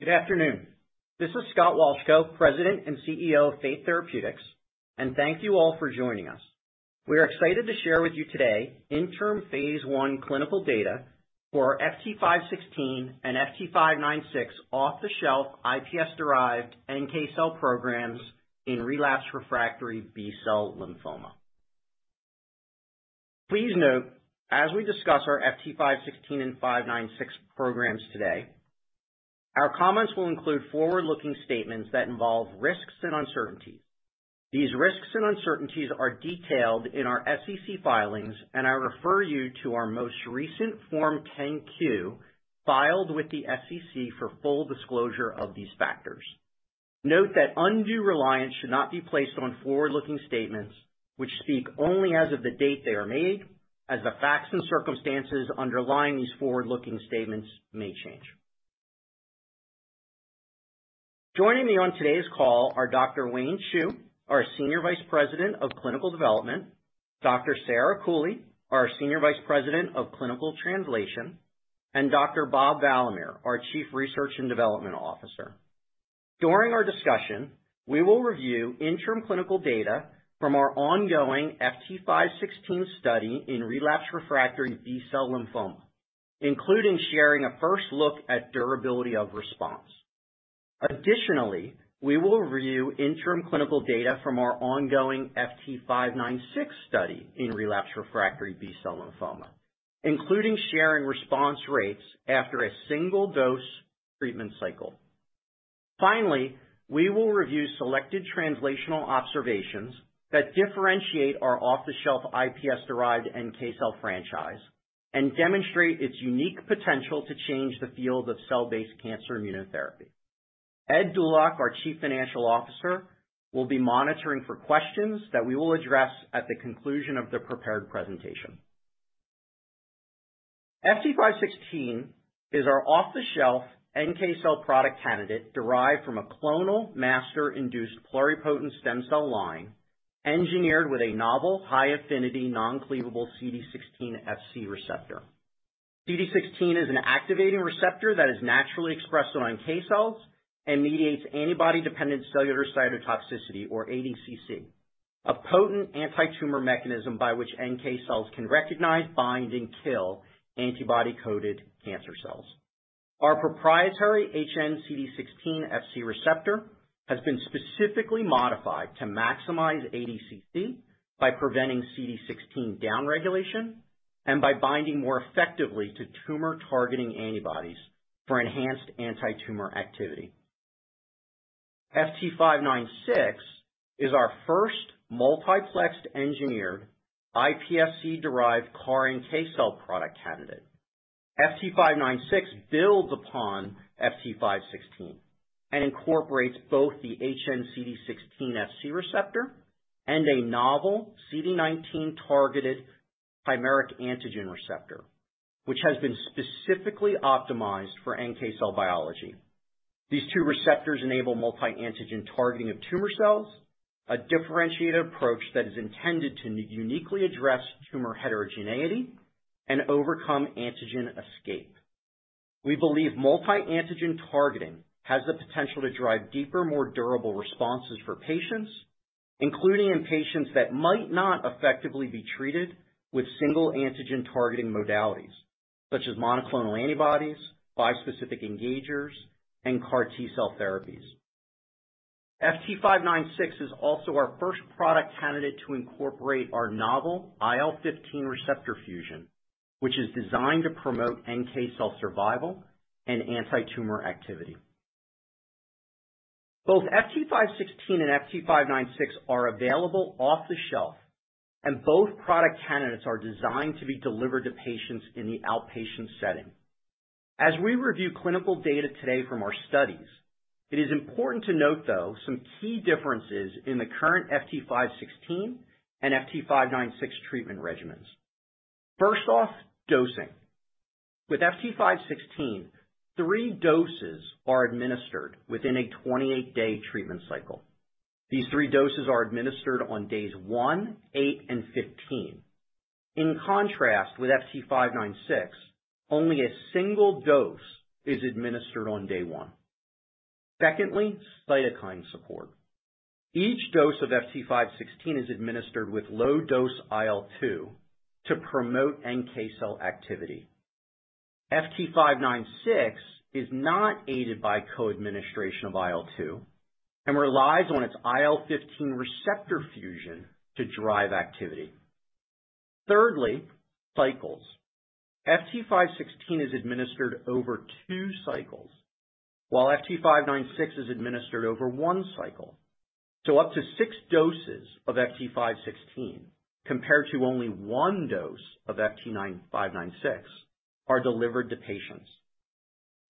Good afternoon. This is Scott Wolchko, President and CEO of Fate Therapeutics, and thank you all for joining us. We are excited to share with you today interim phase I clinical data for our FT516 and FT596 off-the-shelf iPSC-derived NK cell programs in relapsed/refractory B-cell lymphoma. Please note, as we discuss our FT516 and FT596 programs today, our comments will include forward-looking statements that involve risks and uncertainties. These risks and uncertainties are detailed in our SEC filings, and I refer you to our most recent Form 10-Q filed with the SEC for full disclosure of these factors. Note that undue reliance should not be placed on forward-looking statements which speak only as of the date they are made, as the facts and circumstances underlying these forward-looking statements may change. Joining me on today's call are Dr. Wayne Chu, our Senior Vice President of Clinical Development, Dr. Sarah Cooley, our Senior Vice President of Clinical Translation, and Dr. Bob Valamehr, our Chief Research and Development Officer. During our discussion, we will review interim clinical data from our ongoing FT516 study in relapsed/refractory B-cell lymphoma, including sharing a first look at durability of response. Additionally, we will review interim clinical data from our ongoing FT596 study in relapsed/refractory B-cell lymphoma, including sharing response rates after a single-dose treatment cycle. Finally, we will review selected translational observations that differentiate our off-the-shelf iPSC-derived NK cell franchise and demonstrate its unique potential to change the field of cell-based cancer immunotherapy. Ed Dulac, our Chief Financial Officer, will be monitoring for questions that we will address at the conclusion of the prepared presentation. FT516 is our off-the-shelf NK cell product candidate derived from a clonal master induced pluripotent stem cell line engineered with a novel high-affinity non-cleavable CD16 Fc receptor. CD16 is an activating receptor that is naturally expressed on NK cells and mediates antibody-dependent cellular cytotoxicity, or ADCC, a potent anti-tumor mechanism by which NK cells can recognize, bind, and kill antibody-coded cancer cells. Our proprietary hnCD16 Fc receptor has been specifically modified to maximize ADCC by preventing CD16 downregulation and by binding more effectively to tumor-targeting antibodies for enhanced anti-tumor activity. FT596 is our first multiplexed engineered iPSC-derived CAR-NK cell product candidate. FT596 builds upon FT516 and incorporates both the hnCD16 Fc receptor and a novel CD19-targeted chimeric antigen receptor, which has been specifically optimized for NK cell biology. These two receptors enable multi-antigen targeting of tumor cells, a differentiated approach that is intended to uniquely address tumor heterogeneity and overcome antigen escape. We believe multi-antigen targeting has the potential to drive deeper, more durable responses for patients, including in patients that might not effectively be treated with single-antigen targeting modalities such as monoclonal antibodies, bispecific engagers, and CAR T-cell therapies. FT596 is also our first product candidate to incorporate our novel IL-15 receptor fusion, which is designed to promote NK cell survival and anti-tumor activity. Both FT516 and FT596 are available off the shelf and both product candidates are designed to be delivered to patients in the outpatient setting. As we review clinical data today from our studies, it is important to note, though, some key differences in the current FT516 and FT596 treatment regimens. First off, dosing. With FT516, three doses are administered within a 28-day treatment cycle. These three doses are administered on days 1, 8, and 15. In contrast, with FT596, only a single-dose is administered on day 1. Secondly, cytokine support. Each dose of FT516 is administered with low-dose IL-2 to promote NK cell activity. FT596 is not aided by co-administration of IL-2 and relies on its IL-15 receptor fusion to drive activity. Thirdly, cycles. FT516 is administered over two cycles, while FT596 is administered over one cycle. Up to six doses of FT516, compared to only one dose of FT596, are delivered to patients.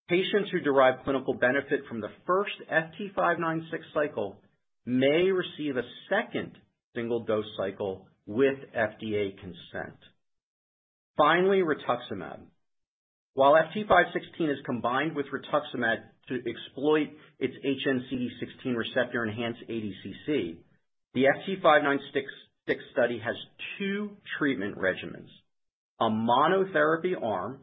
Patients who derive clinical benefit from the first FT596 cycle may receive a second single-dose cycle with FDA consent. Finally, rituximab. While FT516 is combined with rituximab to exploit its hnCD16 receptor-enhanced ADCC, the FT596 study has two treatment regimens. A monotherapy arm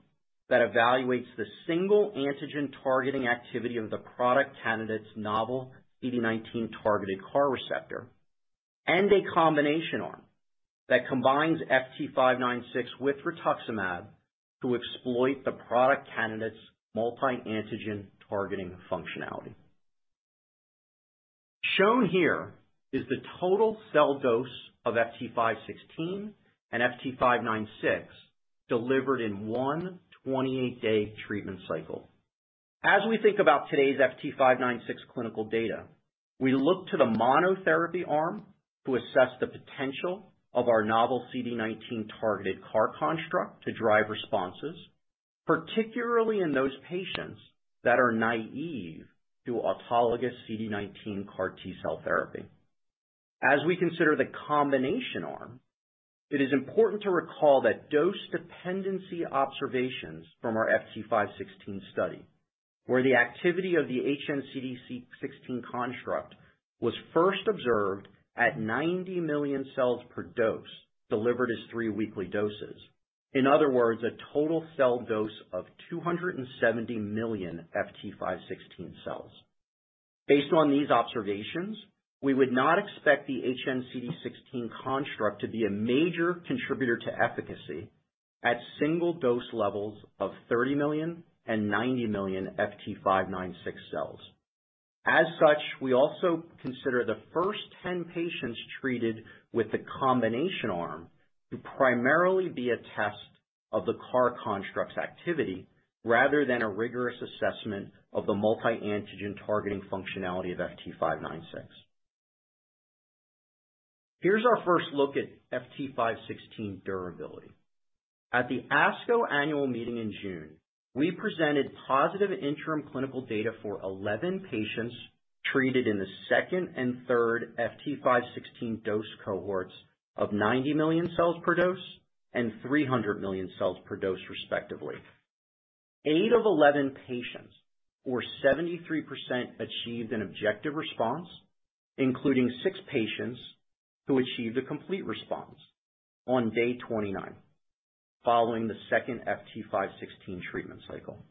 that evaluates the single antigen targeting activity of the product candidate's novel CD19-targeted CAR receptor, and a combination arm that combines FT596 with rituximab to exploit the product candidate's multi-antigen targeting functionality. Shown here is the total cell dose of FT516 and FT596 delivered in one 28-day treatment cycle. As we think about today's FT596 clinical data, we look to the monotherapy arm to assess the potential of our novel CD19-targeted CAR construct to drive responses, particularly in those patients that are naive to autologous CD19 CAR T-cell therapy. As we consider the combination arm, it is important to recall that dose dependency observations from our FT516 study, where the activity of the hnCD16 construct was first observed at 90 million cells per dose, delivered as three weekly doses. In other words, a total cell dose of 270 million FT516 cells. Based on these observations, we would not expect the hnCD16 construct to be a major contributor to efficacy at single-dose levels of 30 million and 90 million FT596 cells. We also consider the first 10 patients treated with the combination arm to primarily be a test of the CAR construct's activity, rather than a rigorous assessment of the multi-antigen targeting functionality of FT596. Here's our first look at FT516 durability. At the ASCO annual meeting in June, we presented positive interim clinical data for 11 patients treated in the second and third FT516 dose cohorts of 90 million cells per dose and 300 million cells per dose, respectively. Eight of 11 patients, or 73%, achieved an objective response, including six patients who achieved a complete response on day 29, following the second FT516 treatment cycle.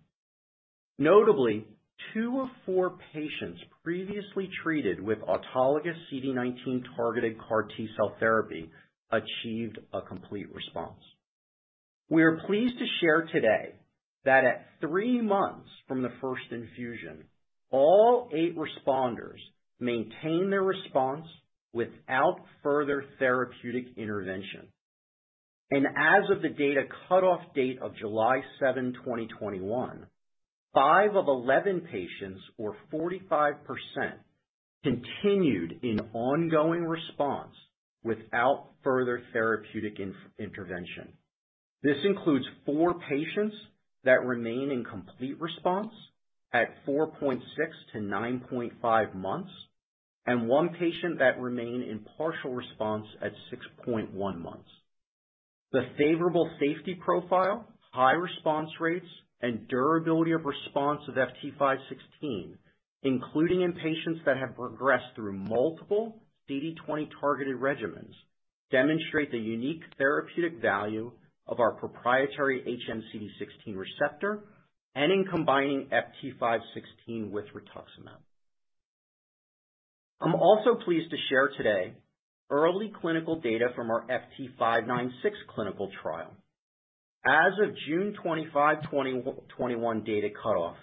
Notably, two of four patients previously treated with autologous CD19-targeted CAR T-cell therapy achieved a complete response. We are pleased to share today that at three months from the first infusion, all eight responders maintained their response without further therapeutic intervention. As of the data cutoff date of July 7, 2021, five of 11 patients, or 45%, continued in ongoing response without further therapeutic intervention. This includes four patients that remain in complete response at 4.6-9.5 months, and one patient that remain in partial response at 6.1 months. The favorable safety profile, high response rates, and durability of response of FT516, including in patients that have progressed through multiple CD20-targeted regimens, demonstrate the unique therapeutic value of our proprietary hnCD16 receptor, and in combining FT516 with rituximab. I'm also pleased to share today early clinical data from our FT596 clinical trial. As of June 25, 2021 data cutoff,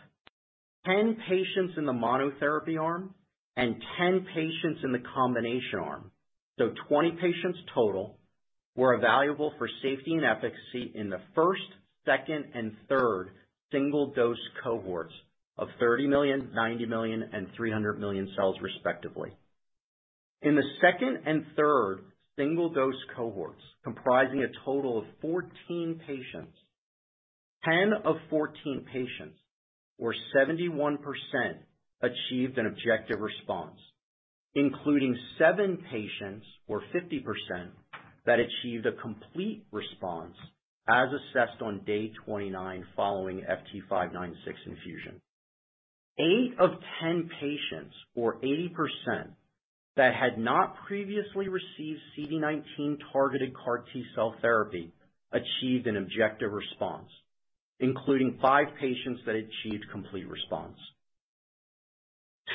10 patients in the monotherapy arm and 10 patients in the combination arm, so 20 patients total, were evaluable for safety and efficacy in the first, second, and third single-dose cohorts of 30 million, 90 million, and 300 million cells respectively. In the second and third single-dose cohorts, comprising a total of 14 patients, 10 of 14 patients or 71%, achieved an objective response, including seven patients or 50%, that achieved a complete response as assessed on day 29 following FT596 infusion. Eight of 10 patients, or 80%, that had not previously received CD19-targeted CAR T-cell therapy achieved an objective response, including five patients that achieved complete response.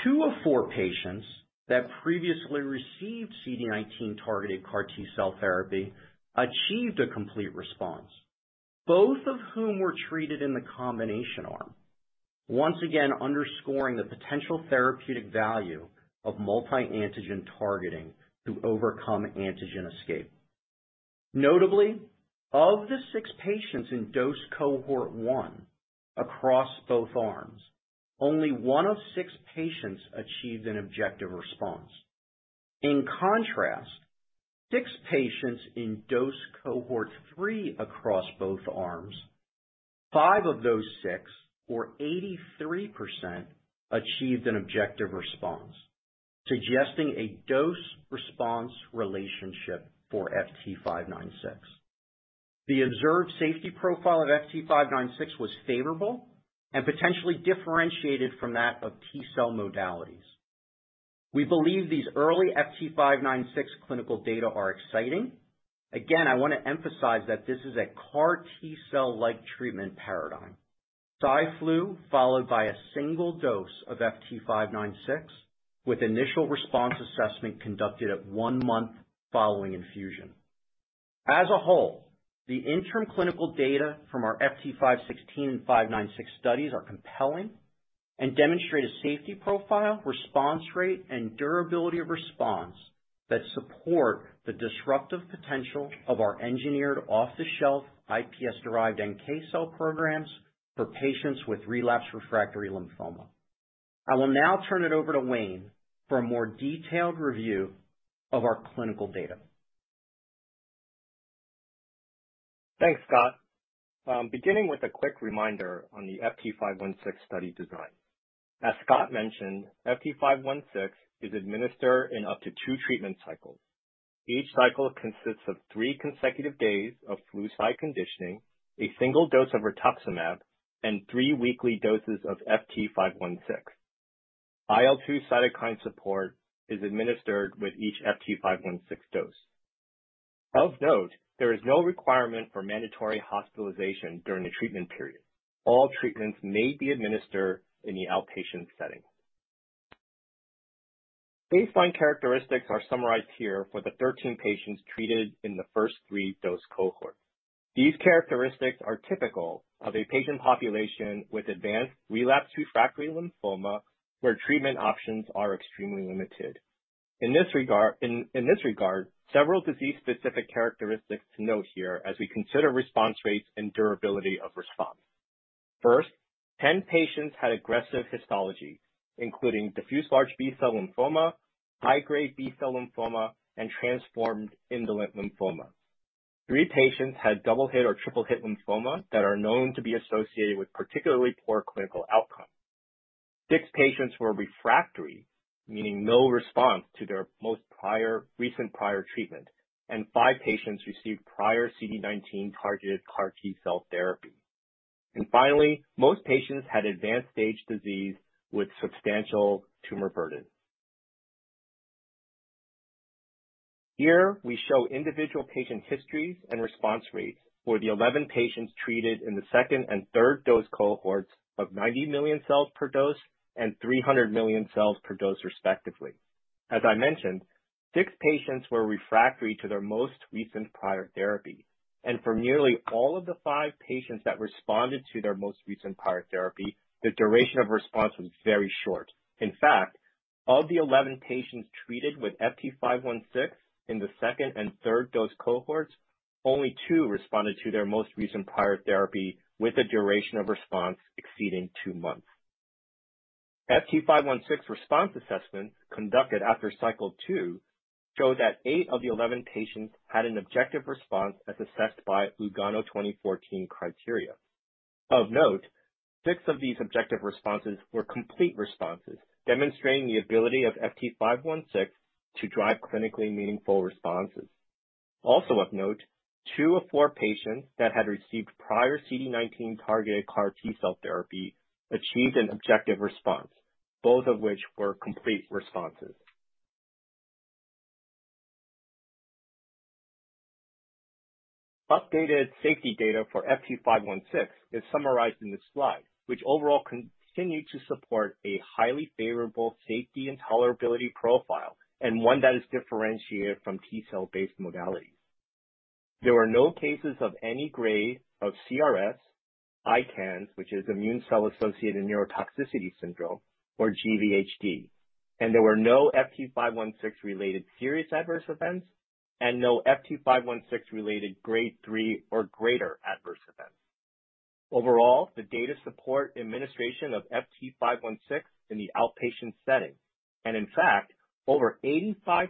Two of four patients that previously received CD19-targeted CAR T-cell therapy achieved a complete response, both of whom were treated in the combination arm, once again underscoring the potential therapeutic value of multi-antigen targeting to overcome antigen escape. Notably, of the six patients in dose cohort 1 across both arms, only one of six patients achieved an objective response. In contrast, six patients in dose cohort 3 across both arms, five of those six, or 83%, achieved an objective response, suggesting a dose-response relationship for FT596. The observed safety profile of FT596 was favorable and potentially differentiated from that of T-cell modalities. We believe these early FT596 clinical data are exciting. Again, I want to emphasize that this is a CAR T-cell-like treatment paradigm. Cy/Flu, followed by a single-dose of FT596, with initial response assessment conducted at one month following infusion. As a whole, the interim clinical data from our FT516 and FT596 studies are compelling and demonstrate a safety profile, response rate, and durability of response that support the disruptive potential of our engineered off-the-shelf iPSC-derived NK cell programs for patients with relapsed/refractory lymphoma. I will now turn it over to Wayne for a more detailed review of our clinical data. Thanks, Scott. Beginning with a quick reminder on the FT516 study design. As Scott mentioned, FT516 is administered in up to two treatment cycles. Each cycle consists of 3 consecutive days of Flu/Cy conditioning, a single-dose of rituximab, and three weekly doses of FT516. IL-2 cytokine support is administered with each FT516 dose. Of note, there is no requirement for mandatory hospitalization during the treatment period. All treatments may be administered in the outpatient setting. Baseline characteristics are summarized here for the 13 patients treated in the first three-dose cohorts. These characteristics are typical of a patient population with advanced relapsed/refractory lymphoma, where treatment options are extremely limited. In this regard, several disease-specific characteristics to note here as we consider response rates and durability of response. First, 10 patients had aggressive histology, including diffuse large B-cell lymphoma, high-grade B-cell lymphoma, and transformed indolent lymphoma. Three patients had double-hit or triple-hit lymphoma that are known to be associated with particularly poor clinical outcome. Six patients were refractory, meaning no response to their most recent prior treatment, and five patients received prior CD19-targeted CAR T-cell therapy. Finally, most patients had advanced stage disease with substantial tumor burden. Here, we show individual patient histories and response rates for the 11 patients treated in the second and third dose cohorts of 90 million cells per dose and 300 million cells per dose, respectively. As I mentioned, six patients were refractory to their most recent prior therapy, and for nearly all of the five patients that responded to their most recent prior therapy, the duration of response was very short. In fact, of the 11 patients treated with FT516 in the second and third dose cohorts, only two responded to their most recent prior therapy with a duration of response exceeding 2 months. FT516 response assessment conducted after cycle 2 show that eight of the 11 patients had an objective response as assessed by Lugano 2014 criteria. Of note, six of these objective responses were complete responses, demonstrating the ability of FT516 to drive clinically meaningful responses. Also of note, two of four patients that had received prior CD19-targeted CAR T-cell therapy achieved an objective response, both of which were complete responses. Updated safety data for FT516 is summarized in this slide, which overall continue to support a highly favorable safety and tolerability profile, and one that is differentiated from T-cell based modalities. There were no cases of any grade of CRS, ICANS, which is immune cell associated neurotoxicity syndrome, or GVHD, and there were no FT516 related serious adverse events, and no FT516 related grade 3 or greater adverse events. Overall, the data support administration of FT516 in the outpatient setting. In fact, over 85%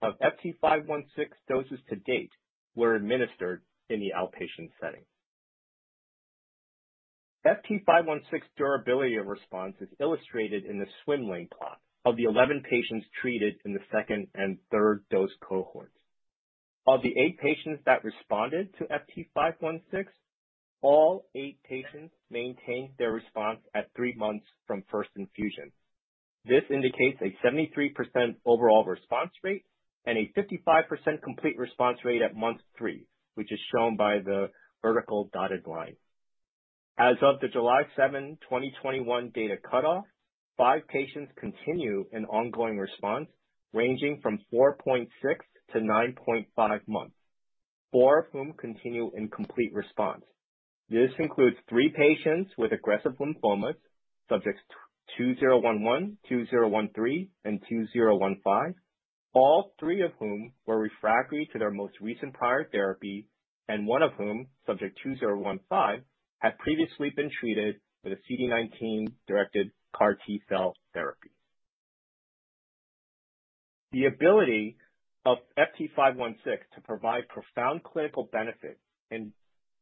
of FT516 doses to date were administered in the outpatient setting. FT516 durability of response is illustrated in the swim lane plot of the 11 patients treated in the second and third dose cohorts. Of the 8 patients that responded to FT516, all eight patients maintained their response at three months from first infusion. This indicates a 73% overall response rate and a 55% complete response rate at month 3, which is shown by the vertical dotted line. As of the July 7, 2021 data cutoff, five patients continue an ongoing response ranging from 4.6-9.5 months, four of whom continue in complete response. This includes three patients with aggressive lymphomas, subjects 2011, 2013 and 2015, all three of whom were refractory to their most recent prior therapy, and one of whom, subject 2015, had previously been treated with a CD19-directed CAR T-cell therapy. The ability of FT516 to provide profound clinical benefit in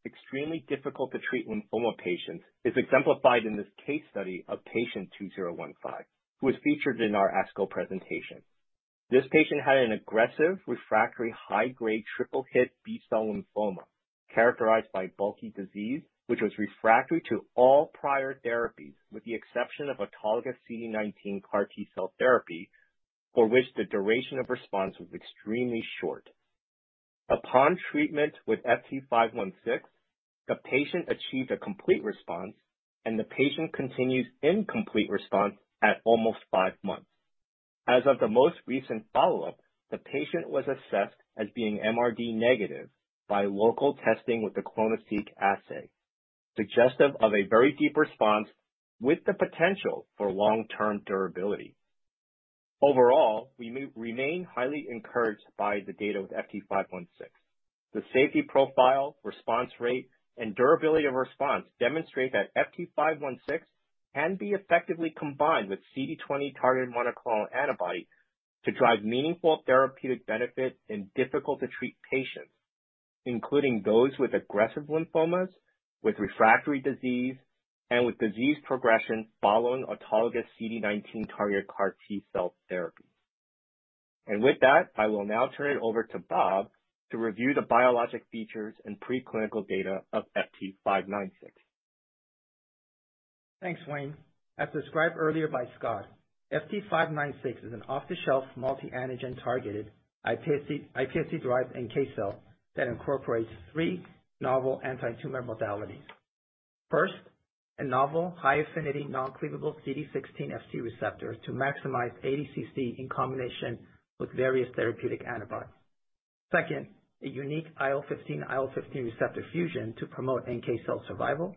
extremely difficult to treat lymphoma patients is exemplified in this case study of patient 2015, who was featured in our ASCO presentation. This patient had an aggressive refractory high-grade triple-hit B-cell lymphoma characterized by bulky disease, which was refractory to all prior therapies, with the exception of autologous CD19 CAR T-cell therapy, for which the duration of response was extremely short. Upon treatment with FT516, the patient achieved a complete response, and the patient continues in complete response at almost five months. As of the most recent follow-up, the patient was assessed as being MRD negative by local testing with the clonoSEQ assay, suggestive of a very deep response with the potential for long-term durability. Overall, we remain highly encouraged by the data with FT516. The safety profile, response rate, and durability of response demonstrate that FT516 can be effectively combined with CD20-targeted monoclonal antibody to drive meaningful therapeutic benefit in difficult-to-treat patients, including those with aggressive lymphomas, with refractory disease, and with disease progression following autologous CD19-targeted CAR T-cell therapy. With that, I will now turn it over to Bob to review the biologic features and preclinical data of FT596. Thanks, Wayne. As described earlier by Scott, FT596 is an off-the-shelf multi-antigen targeted iPSC-derived NK cell that incorporates three novel anti-tumor modalities. First, a novel high-affinity non-cleavable CD16 Fc receptor to maximize ADCC in combination with various therapeutic antibodies. Second, a unique IL-15/IL-15 receptor fusion to promote NK cell survival,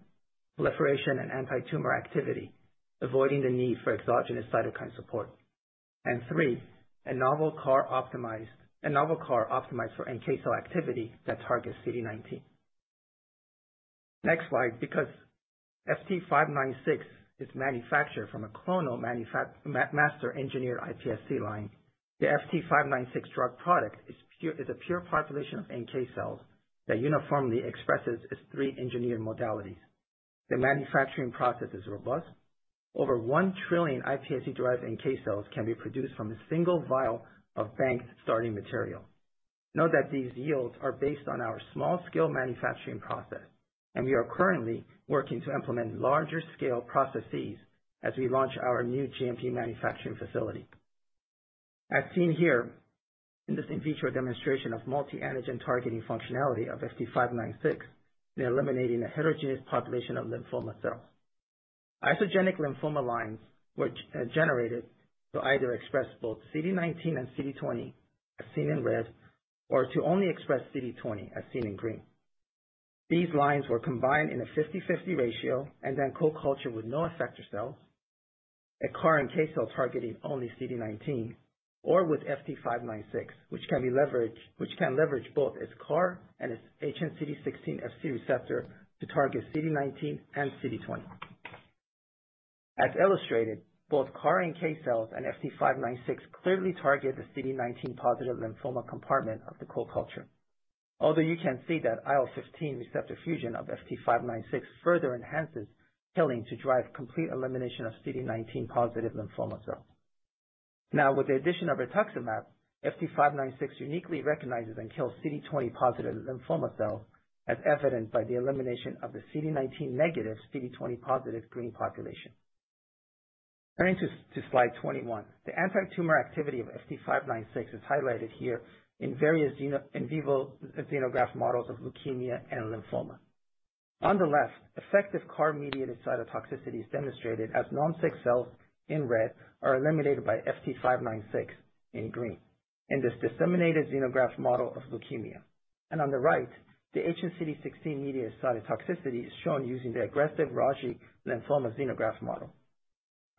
proliferation, and anti-tumor activity, avoiding the need for exogenous cytokine support. Three, a novel CAR optimized for NK cell activity that targets CD19. Next slide. Because FT596 is manufactured from a clonal master engineered iPSC line, the FT596 drug product is a pure population of NK cells that uniformly expresses its three engineered modalities. The manufacturing process is robust. Over 1 trillion iPSC-derived NK cells can be produced from a single vial of banked starting material. Note that these yields are based on our small-scale manufacturing process, and we are currently working to implement larger-scale processes as we launch our new GMP manufacturing facility. As seen here in this in vitro demonstration of multi-antigen targeting functionality of FT596 in eliminating a heterogeneous population of lymphoma cells. Isogenic lymphoma lines, which generated to either express both CD19 and CD20, as seen in red, or to only express CD20, as seen in green. These lines were combined in a 50/50 ratio and then co-cultured with no effector cells, a CAR NK cell targeting only CD19, or with FT596, which can leverage both its CAR and its hnCD16 Fc receptor to target CD19 and CD20. As illustrated, both CAR NK cells and FT596 clearly target the CD19-positive lymphoma compartment of the co-culture. Although you can see that IL-15 receptor fusion of FT596 further enhances killing to drive complete elimination of CD19-positive lymphoma cells. With the addition of rituximab, FT596 uniquely recognizes and kills CD20-positive lymphoma cells, as evidenced by the elimination of the CD19 negative, CD20 positive green population. Turning to slide 21. The anti-tumor activity of FT596 is highlighted here in various in vivo xenograft models of leukemia and lymphoma. On the left, effective CAR-mediated cytotoxicity is demonstrated as NALM-6 cells in red are eliminated by FT596 in green in this disseminated xenograft model of leukemia. On the right, the hnCD16 mediated cytotoxicity is shown using the aggressive Raji lymphoma xenograft model.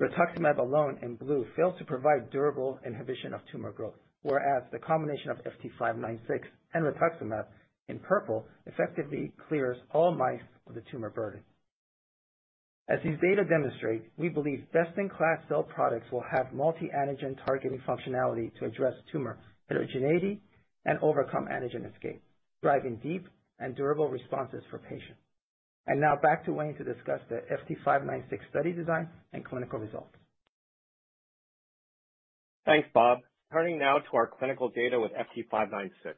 Rituximab alone in blue failed to provide durable inhibition of tumor growth, whereas the combination of FT596 and rituximab in purple effectively clears all mice of the tumor burden. As these data demonstrate, we believe best-in-class cell products will have multi-antigen targeting functionality to address tumor heterogeneity and overcome antigen escape, driving deep and durable responses for patients. Now back to Wayne to discuss the FT596 study design and clinical results. Thanks, Bob. Turning now to our clinical data with FT596.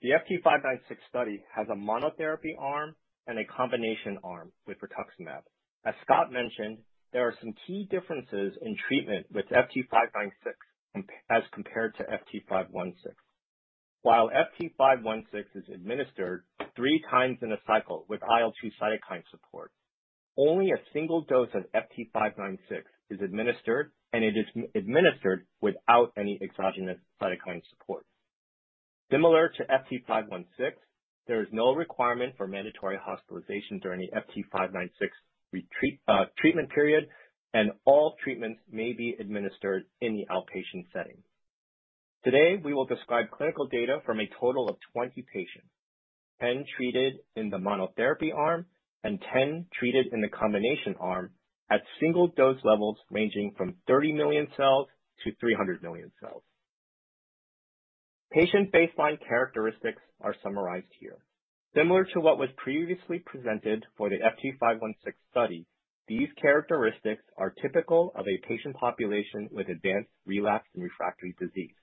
The FT596 study has a monotherapy arm and a combination arm with rituximab. As Scott mentioned, there are some key differences in treatment with FT596 as compared to FT516. While FT516 is administered three times in a cycle with IL-2 cytokine support, only a single-dose of FT596 is administered, and it is administered without any exogenous cytokine support. Similar to FT516, there is no requirement for mandatory hospitalization during the FT596 treatment period, and all treatments may be administered in the outpatient setting. Today, we will describe clinical data from a total of 20 patients, 10 treated in the monotherapy arm and 10 treated in the combination arm at single-dose levels ranging from 30 million cells to 300 million cells. Patient baseline characteristics are summarized here. Similar to what was previously presented for the FT516 study, these characteristics are typical of a patient population with advanced relapse and refractory disease.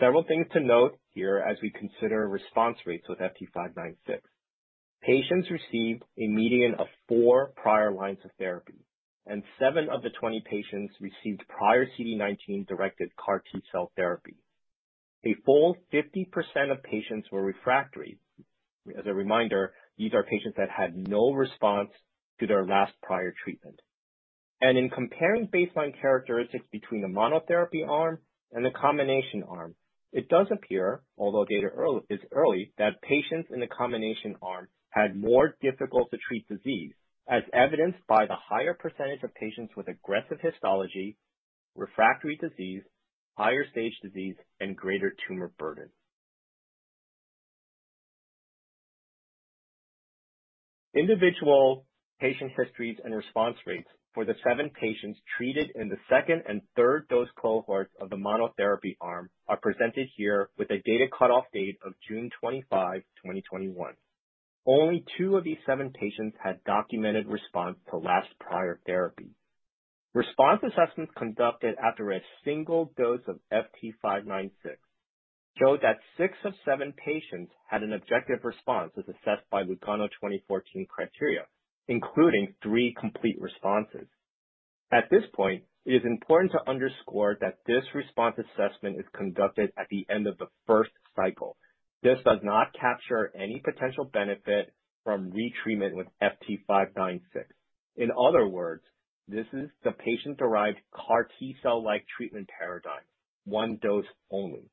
Several things to note here as we consider response rates with FT596. Patients received a median of four prior lines of therapy, and seven of the 20 patients received prior CD19-directed CAR T-cell therapy. A full 50% of patients were refractory. As a reminder, these are patients that had no response to their last prior treatment. In comparing baseline characteristics between the monotherapy arm and the combination arm, it does appear, although data is early, that patients in the combination arm had more difficult-to-treat disease, as evidenced by the higher percentage of patients with aggressive histology, refractory disease, higher stage disease, and greater tumor burden. Individual patient histories and response rates for the seven patients treated in the second and third dose cohort of the monotherapy arm are presented here with a data cutoff date of June 25, 2021. Only two of these seven patients had documented response to last prior therapy. Response assessments conducted after a single-dose of FT596 show that six of seven patients had an objective response as assessed by Lugano 2014 criteria, including three complete responses. At this point, it is important to underscore that this response assessment is conducted at the end of the first cycle. This does not capture any potential benefit from retreatment with FT596. In other words, this is the patient-derived CAR T-cell-like treatment paradigm, one dose only.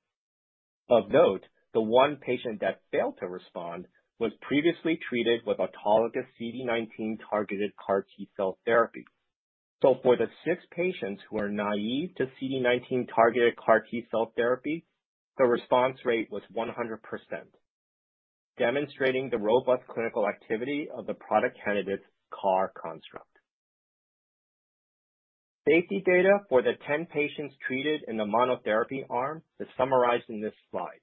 Of note, the one patient that failed to respond was previously treated with autologous CD19-targeted CAR T-cell therapy. For the six patients who are naive to CD19-targeted CAR T-cell therapy, the response rate was 100%, demonstrating the robust clinical activity of the product candidate's CAR construct. Safety data for the 10 patients treated in the monotherapy arm is summarized in this slide,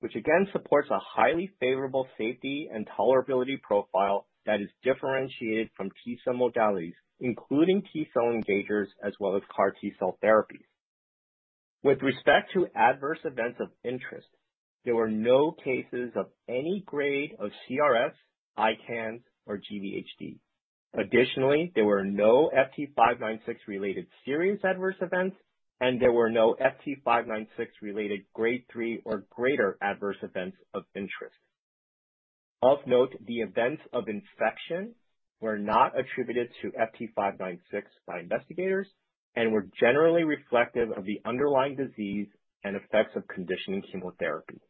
which again supports a highly favorable safety and tolerability profile that is differentiated from T-cell modalities, including T-cell engagers as well as CAR T-cell therapies. With respect to adverse events of interest, there were no cases of any grade of CRS, ICANS, or GVHD. Additionally, there were no FT596-related serious adverse events, and there were no FT596-related Grade 3 or greater adverse events of interest. Of note, the events of infection were not attributed to FT596 by investigators and were generally reflective of the underlying disease and effects of conditioning chemotherapy.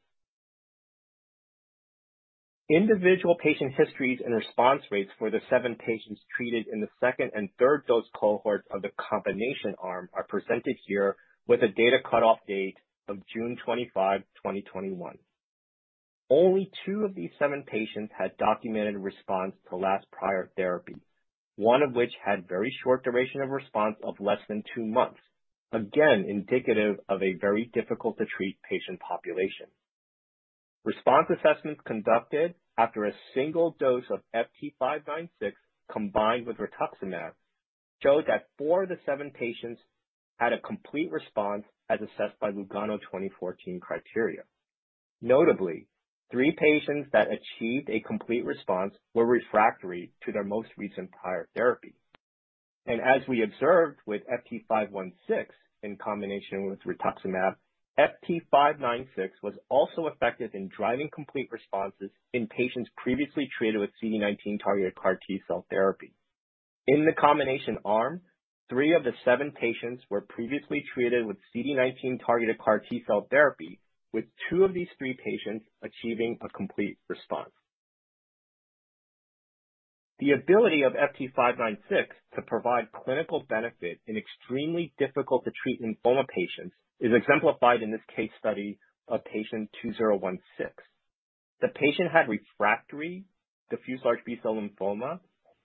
Individual patient histories and response rates for the seven patients treated in the second and third dose cohort of the combination arm are presented here with a data cutoff date of June 25, 2021. Only two of these seven patients had documented response to last prior therapy, one of which had very short duration of response of less than two months, again indicative of a very difficult-to-treat patient population. Response assessments conducted after a single-dose of FT596 combined with rituximab showed that four of the seven patients had a complete response as assessed by Lugano 2014 criteria. Notably, three patients that achieved a complete response were refractory to their most recent prior therapy. As we observed with FT516 in combination with rituximab, FT596 was also effective in driving complete responses in patients previously treated with CD19-targeted CAR T-cell therapy. In the combination arm, three of the seven patients were previously treated with CD19-targeted CAR T-cell therapy, with two of these three patients achieving a complete response. The ability of FT596 to provide clinical benefit in extremely difficult-to-treat lymphoma patients is exemplified in this case study of patient 2016. The patient had refractory diffuse large B-cell lymphoma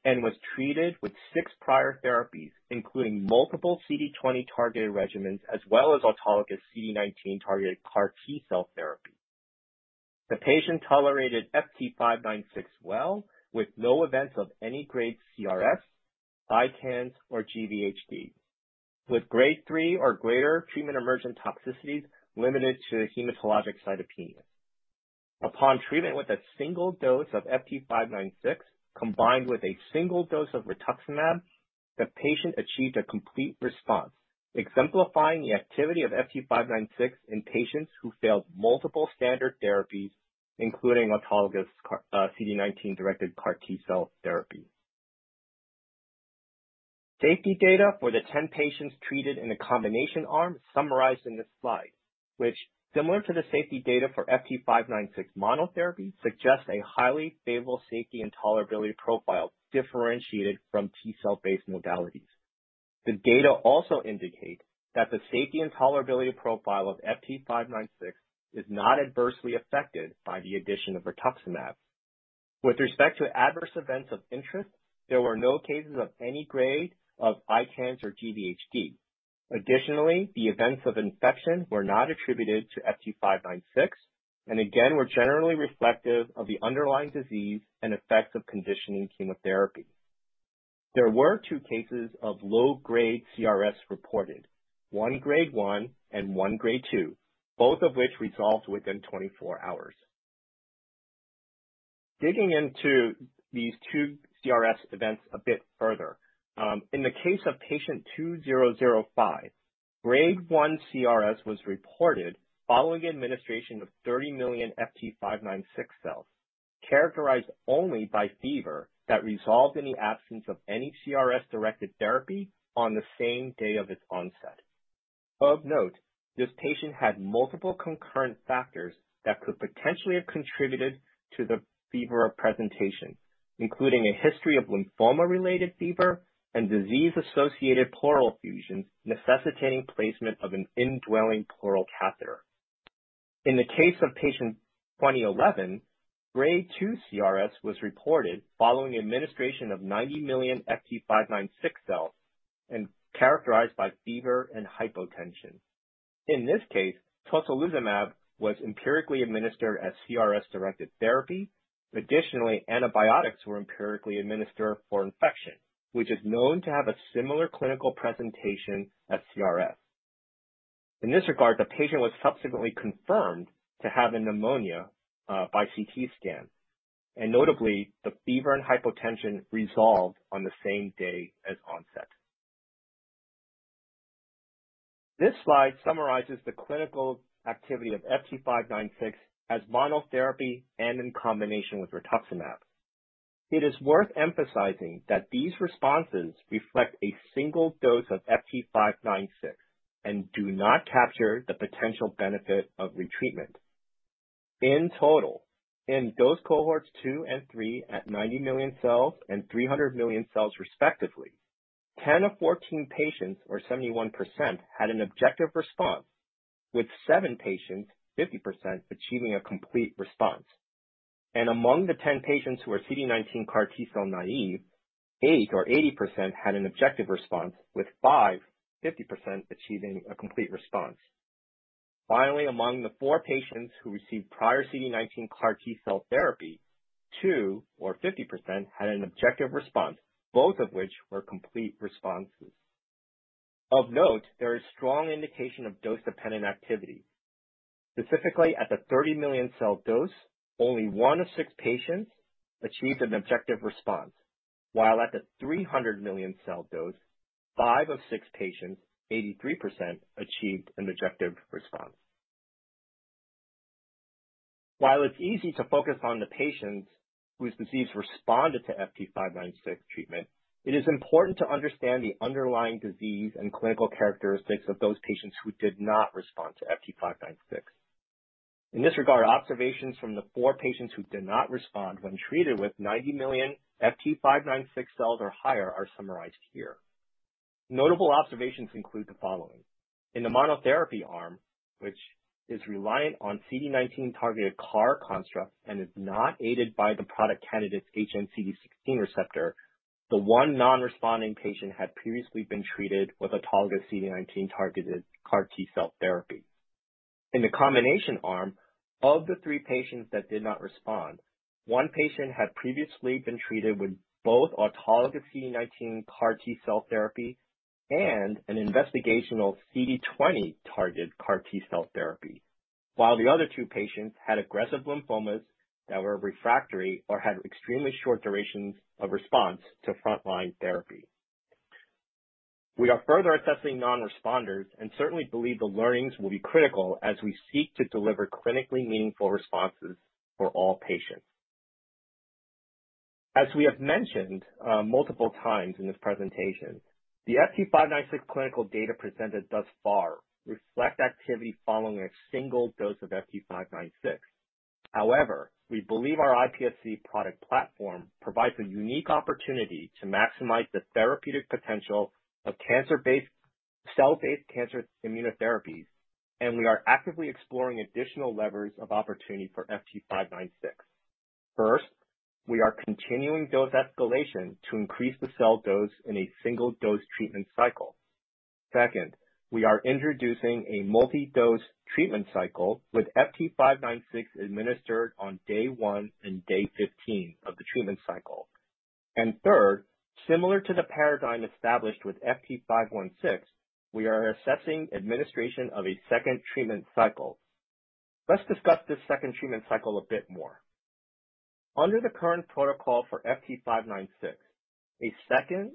and was treated with six prior therapies, including multiple CD20-targeted regimens, as well as autologous CD19-targeted CAR T-cell therapy. The patient tolerated FT596 well, with no events of any grade CRS, ICANS, or GVHD. With Grade 3 or greater treatment-emergent toxicities limited to hematologic cytopenia. Upon treatment with a single-dose of FT596, combined with a single-dose of rituximab, the patient achieved a complete response, exemplifying the activity of FT596 in patients who failed multiple standard therapies, including autologous CD19-directed CAR T-cell therapy. Safety data for the 10 patients treated in the combination arm is summarized in this slide, which, similar to the safety data for FT596 monotherapy, suggests a highly favorable safety and tolerability profile differentiated from T-cell-based modalities. The data also indicate that the safety and tolerability profile of FT596 is not adversely affected by the addition of rituximab. With respect to adverse events of interest, there were no cases of any grade of ICANS or GVHD. Additionally, the events of infection were not attributed to FT596 and again, were generally reflective of the underlying disease and effects of conditioning chemotherapy. There were two cases of low-grade CRS reported, one Grade 1 and one Grade 2, both of which resolved within 24 hours. Digging into these two CRS events a bit further, in the case of patient 2005, Grade 1 CRS was reported following administration of 30 million FT596 cells, characterized only by fever that resolved in the absence of any CRS-directed therapy on the same day of its onset. Of note, this patient had multiple concurrent factors that could potentially have contributed to the fever of presentation, including a history of lymphoma-related fever and disease-associated pleural effusions necessitating placement of an indwelling pleural catheter. In the case of patient 2011, Grade 2 CRS was reported following administration of 90 million FT596 cells and characterized by fever and hypotension. In this case, tocilizumab was empirically administered as CRS-directed therapy. Additionally, antibiotics were empirically administered for infection, which is known to have a similar clinical presentation as CRS. In this regard, the patient was subsequently confirmed to have a pneumonia by CT scan, and notably, the fever and hypotension resolved on the same day as onset. This slide summarizes the clinical activity of FT596 as monotherapy and in combination with rituximab. It is worth emphasizing that these responses reflect a single-dose of FT596 and do not capture the potential benefit of retreatment. In total, in those cohorts 2 and 3 at 90 million cells and 300 million cells respectively, 10 of 14 patients, or 71%, had an objective response, with seven patients, 50%, achieving a complete response. Among the 10 patients who are CD19 CAR T-cell naive, eight or 80%, had an objective response, with five, 50%, achieving a complete response. Finally, among the four patients who received prior CD19 CAR T-cell therapy, two or 50%, had an objective response, both of which were complete responses. Of note, there is strong indication of dose-dependent activity. Specifically, at the 30 million cell dose, only one of six patients achieved an objective response. While at the 300 million cell dose, five of six patients, 83%, achieved an objective response. While it's easy to focus on the patients whose disease responded to FT596 treatment, it is important to understand the underlying disease and clinical characteristics of those patients who did not respond to FT596. In this regard, observations from the four patients who did not respond when treated with 90 million FT596 cells or higher are summarized here. Notable observations include the following. In the monotherapy arm, which is reliant on CD19-targeted CAR construct and is not aided by the product candidate's hnCD16 receptor, the one non-responding patient had previously been treated with autologous CD19-targeted CAR T-cell therapy. In the combination arm, of the three patients that did not respond, one patient had previously been treated with both autologous CD19 CAR T-cell therapy and an investigational CD20-targeted CAR T-cell therapy. While the other two patients had aggressive lymphomas that were refractory or had extremely short durations of response to frontline therapy. We are further assessing non-responders and certainly believe the learnings will be critical as we seek to deliver clinically meaningful responses for all patients. As we have mentioned multiple times in this presentation, the FT596 clinical data presented thus far reflect activity following a single-dose of FT596. We believe our iPSC product platform provides a unique opportunity to maximize the therapeutic potential of cell-based cancer immunotherapies, and we are actively exploring additional levers of opportunity for FT596. First, we are continuing dose escalation to increase the cell dose in a single-dose treatment cycle. Second, we are introducing a multi-dose treatment cycle with FT596 administered on day 1 and day 15 of the treatment cycle. Third, similar to the paradigm established with FT516, we are assessing administration of a second treatment cycle. Let's discuss this second treatment cycle a bit more. Under the current protocol for FT596, a second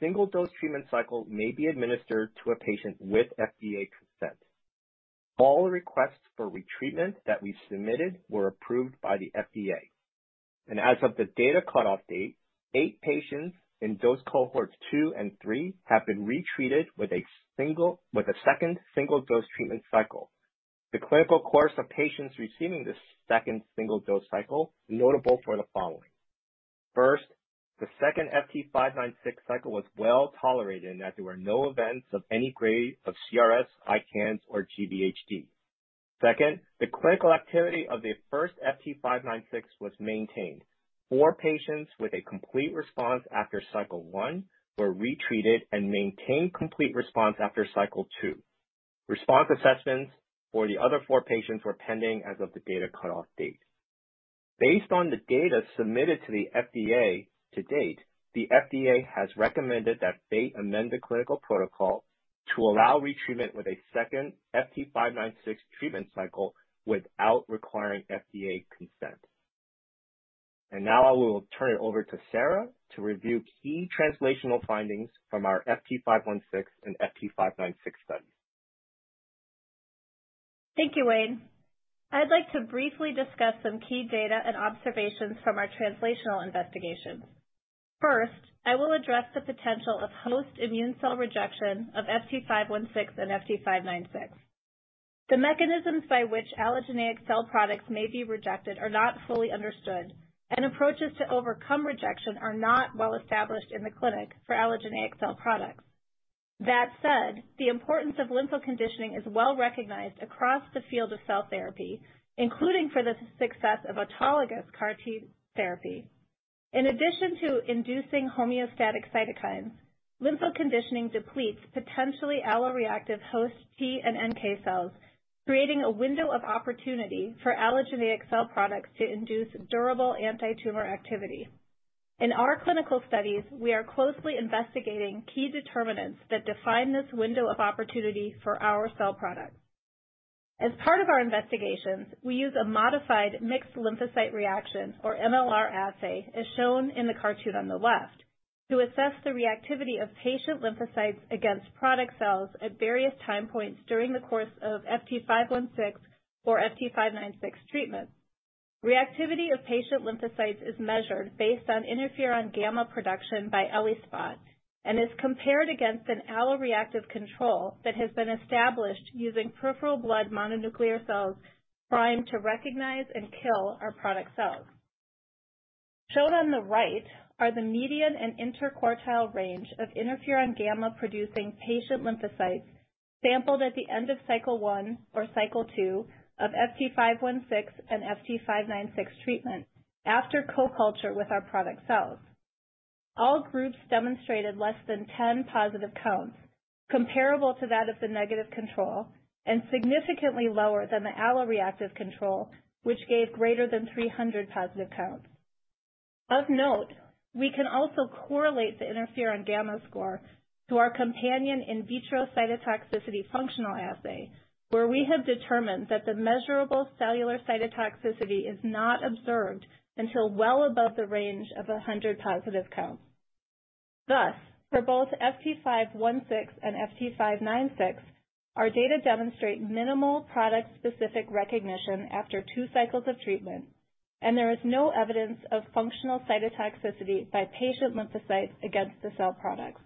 single-dose treatment cycle may be administered to a patient with FDA consent. All requests for retreatment that we submitted were approved by the FDA. As of the data cutoff date, eight patients in dose cohorts 2 and 3 have been retreated with a second single-dose treatment cycle. The clinical course of patients receiving this second single-dose cycle notable for the following. First, the second FT596 cycle was well tolerated in that there were no events of any grade of CRS, ICANS, or GVHD. Second, the clinical activity of the first FT596 was maintained. Four patients with a complete response after cycle 1 were retreated and maintained complete response after cycle 2. Response assessments for the other four patients were pending as of the data cutoff date. Based on the data submitted to the FDA to date, the FDA has recommended that Fate amend the clinical protocol to allow retreatment with a second FT596 treatment cycle without requiring FDA consent. Now I will turn it over to Sarah to review key translational findings from our FT516 and FT596 studies. Thank you, Wayne. I'd like to briefly discuss some key data and observations from our translational investigations. First, I will address the potential of host immune cell rejection of FT516 and FT596. The mechanisms by which allogeneic cell products may be rejected are not fully understood, and approaches to overcome rejection are not well established in the clinic for allogeneic cell products. That said, the importance of lympho-conditioning is well recognized across the field of cell therapy, including for the success of autologous CAR T therapy. In addition to inducing homeostatic cytokines, lympho-conditioning depletes potentially alloreactive host T and NK cells, creating a window of opportunity for allogeneic cell products to induce durable antitumor activity. In our clinical studies, we are closely investigating key determinants that define this window of opportunity for our cell products. As part of our investigations, we use a modified mixed lymphocyte reaction, or MLR assay, as shown in the cartoon on the left, to assess the reactivity of patient lymphocytes against product cells at various time points during the course of FT516 or FT596 treatment. Reactivity of patient lymphocytes is measured based on interferon-gamma production by ELISpot and is compared against an alloreactive control that has been established using peripheral blood mononuclear cells primed to recognize and kill our product cells. Shown on the right are the median and interquartile range of interferon-gamma-producing patient lymphocytes sampled at the end of cycle 1 or cycle 2 of FT516 and FT596 treatment after co-culture with our product cells. All groups demonstrated less than 10 positive counts, comparable to that of the negative control and significantly lower than the alloreactive control, which gave greater than 300 positive counts. Of note, we can also correlate the interferon-gamma score to our companion in vitro cytotoxicity functional assay, where we have determined that the measurable cellular cytotoxicity is not observed until well above the range of 100 positive counts. Thus, for both FT516 and FT596, our data demonstrate minimal product-specific recognition after 2 cycles of treatment, and there is no evidence of functional cytotoxicity by patient lymphocytes against the cell products.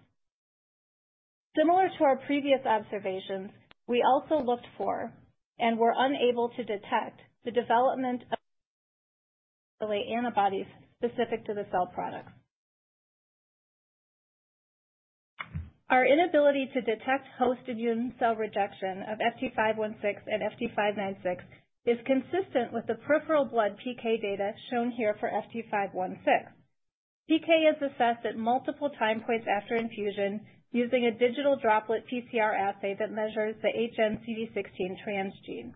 Similar to our previous observations, we also looked for and were unable to detect the development of antibodies specific to the cell products. Our inability to detect host immune cell rejection of FT516 and FT596 is consistent with the peripheral blood PK data shown here for FT516. PK is assessed at multiple time points after infusion using a digital droplet PCR assay that measures the hnCD16 transgene.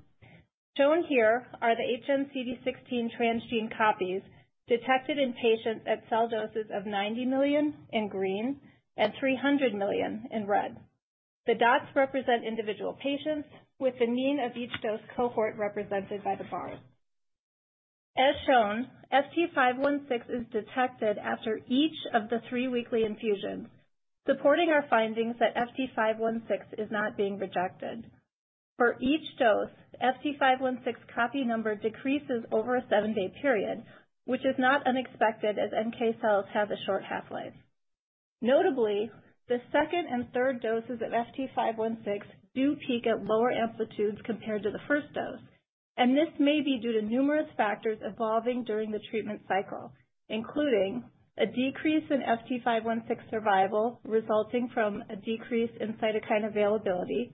Shown here are the hnCD16 transgene copies detected in patients at cell doses of 90 million in green and 300 million in red. The dots represent individual patients with the mean of each dose cohort represented by the bar. As shown, FT516 is detected after each of the three weekly infusions, supporting our findings that FT516 is not being rejected. For each dose, the FT516 copy number decreases over a seven-day period, which is not unexpected as NK cells have a short half-life. Notably, the second and third doses of FT516 do peak at lower amplitudes compared to the first dose, and this may be due to numerous factors evolving during the treatment cycle, including a decrease in FT516 survival resulting from a decrease in cytokine availability,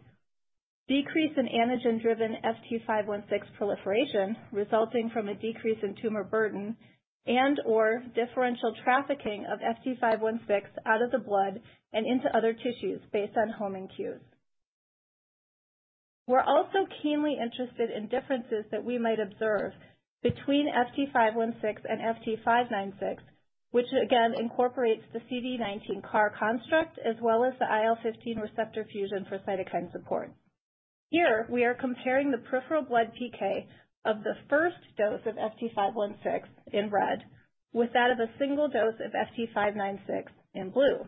decrease in antigen-driven FT516 proliferation resulting from a decrease in tumor burden, and/or differential trafficking of FT516 out of the blood and into other tissues based on homing cues. We're also keenly interested in differences that we might observe between FT516 and FT596, which again incorporates the CD19 CAR construct as well as the IL-15 receptor fusion for cytokine support. Here, we are comparing the peripheral blood PK of the first dose of FT516 in red with that of a single-dose of FT596 in blue.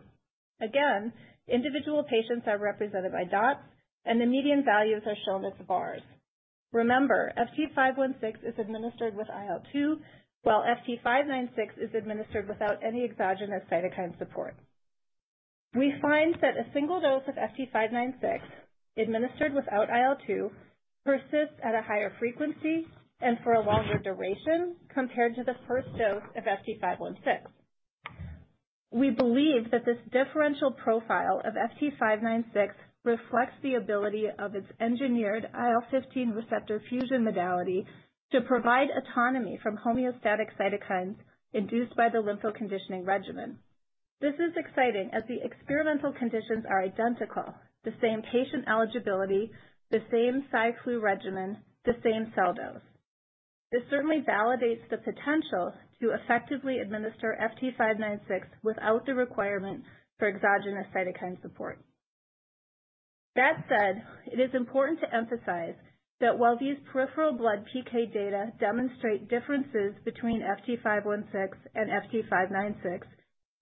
Again, individual patients are represented by dots, and the median values are shown as bars. Remember, FT516 is administered with IL-2, while FT596 is administered without any exogenous cytokine support. We find that a single-dose of FT596, administered without IL-2, persists at a higher frequency and for a longer duration compared to the first dose of FT516. We believe that this differential profile of FT596 reflects the ability of its engineered IL-15 receptor fusion modality to provide autonomy from homeostatic cytokines induced by the lympho-conditioning regimen. This is exciting, as the experimental conditions are identical, the same patient eligibility, the same Cy/Flu regimen, the same cell dose. This certainly validates the potential to effectively administer FT596 without the requirement for exogenous cytokine support. That said, it is important to emphasize that while these peripheral blood PK data demonstrate differences between FT516 and FT596,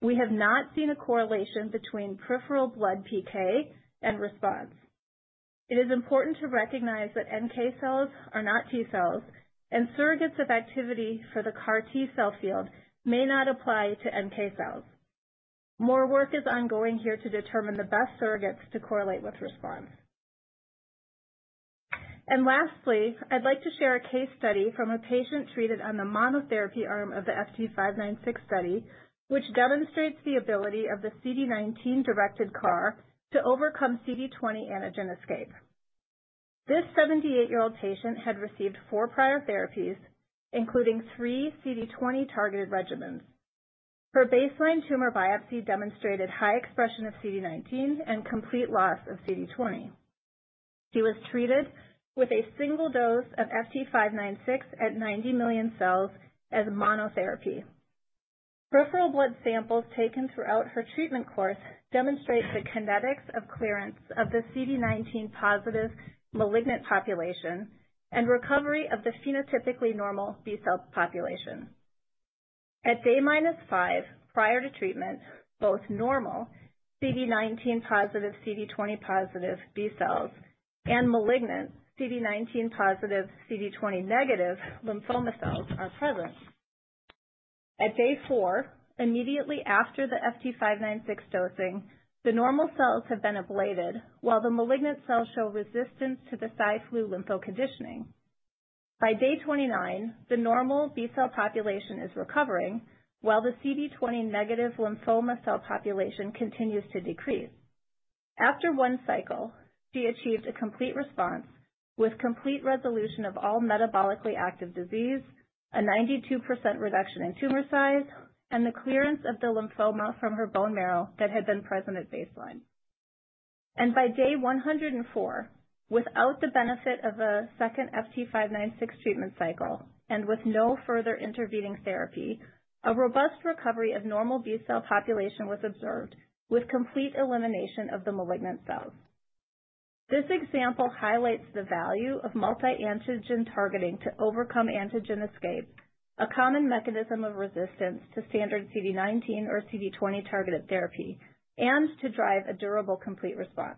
we have not seen a correlation between peripheral blood PK and response. It is important to recognize that NK cells are not T cells, and surrogates of activity for the CAR T-cell field may not apply to NK cells. More work is ongoing here to determine the best surrogates to correlate with response. Lastly, I'd like to share a case study from a patient treated on the monotherapy arm of the FT596 study, which demonstrates the ability of the CD19-directed CAR to overcome CD20 antigen escape. This 78-year-old patient had received four prior therapies, including three CD20-targeted regimens. Her baseline tumor biopsy demonstrated high expression of CD19 and complete loss of CD20. She was treated with a single-dose of FT596 at 90 million cells as monotherapy. Peripheral blood samples taken throughout her treatment course demonstrate the kinetics of clearance of the CD19-positive malignant population and recovery of the phenotypically normal B cell population. At day -5, prior to treatment, both normal CD19-positive, CD20-positive B cells and malignant CD19-positive, CD20-negative lymphoma cells are present. At day 4, immediately after the FT596 dosing, the normal cells have been ablated while the malignant cells show resistance to the Cy/Flu lympho-conditioning. By day 29, the normal B cell population is recovering while the CD20-negative lymphoma cell population continues to decrease. After one cycle, she achieved a complete response with complete resolution of all metabolically active disease, a 92% reduction in tumor size, and the clearance of the lymphoma from her bone marrow that had been present at baseline. By day 104, without the benefit of a second FT596 treatment cycle and with no further intervening therapy, a robust recovery of normal B cell population was observed with complete elimination of the malignant cells. This example highlights the value of multi-antigen targeting to overcome antigen escape, a common mechanism of resistance to standard CD19 or CD20-targeted therapy, and to drive a durable, complete response.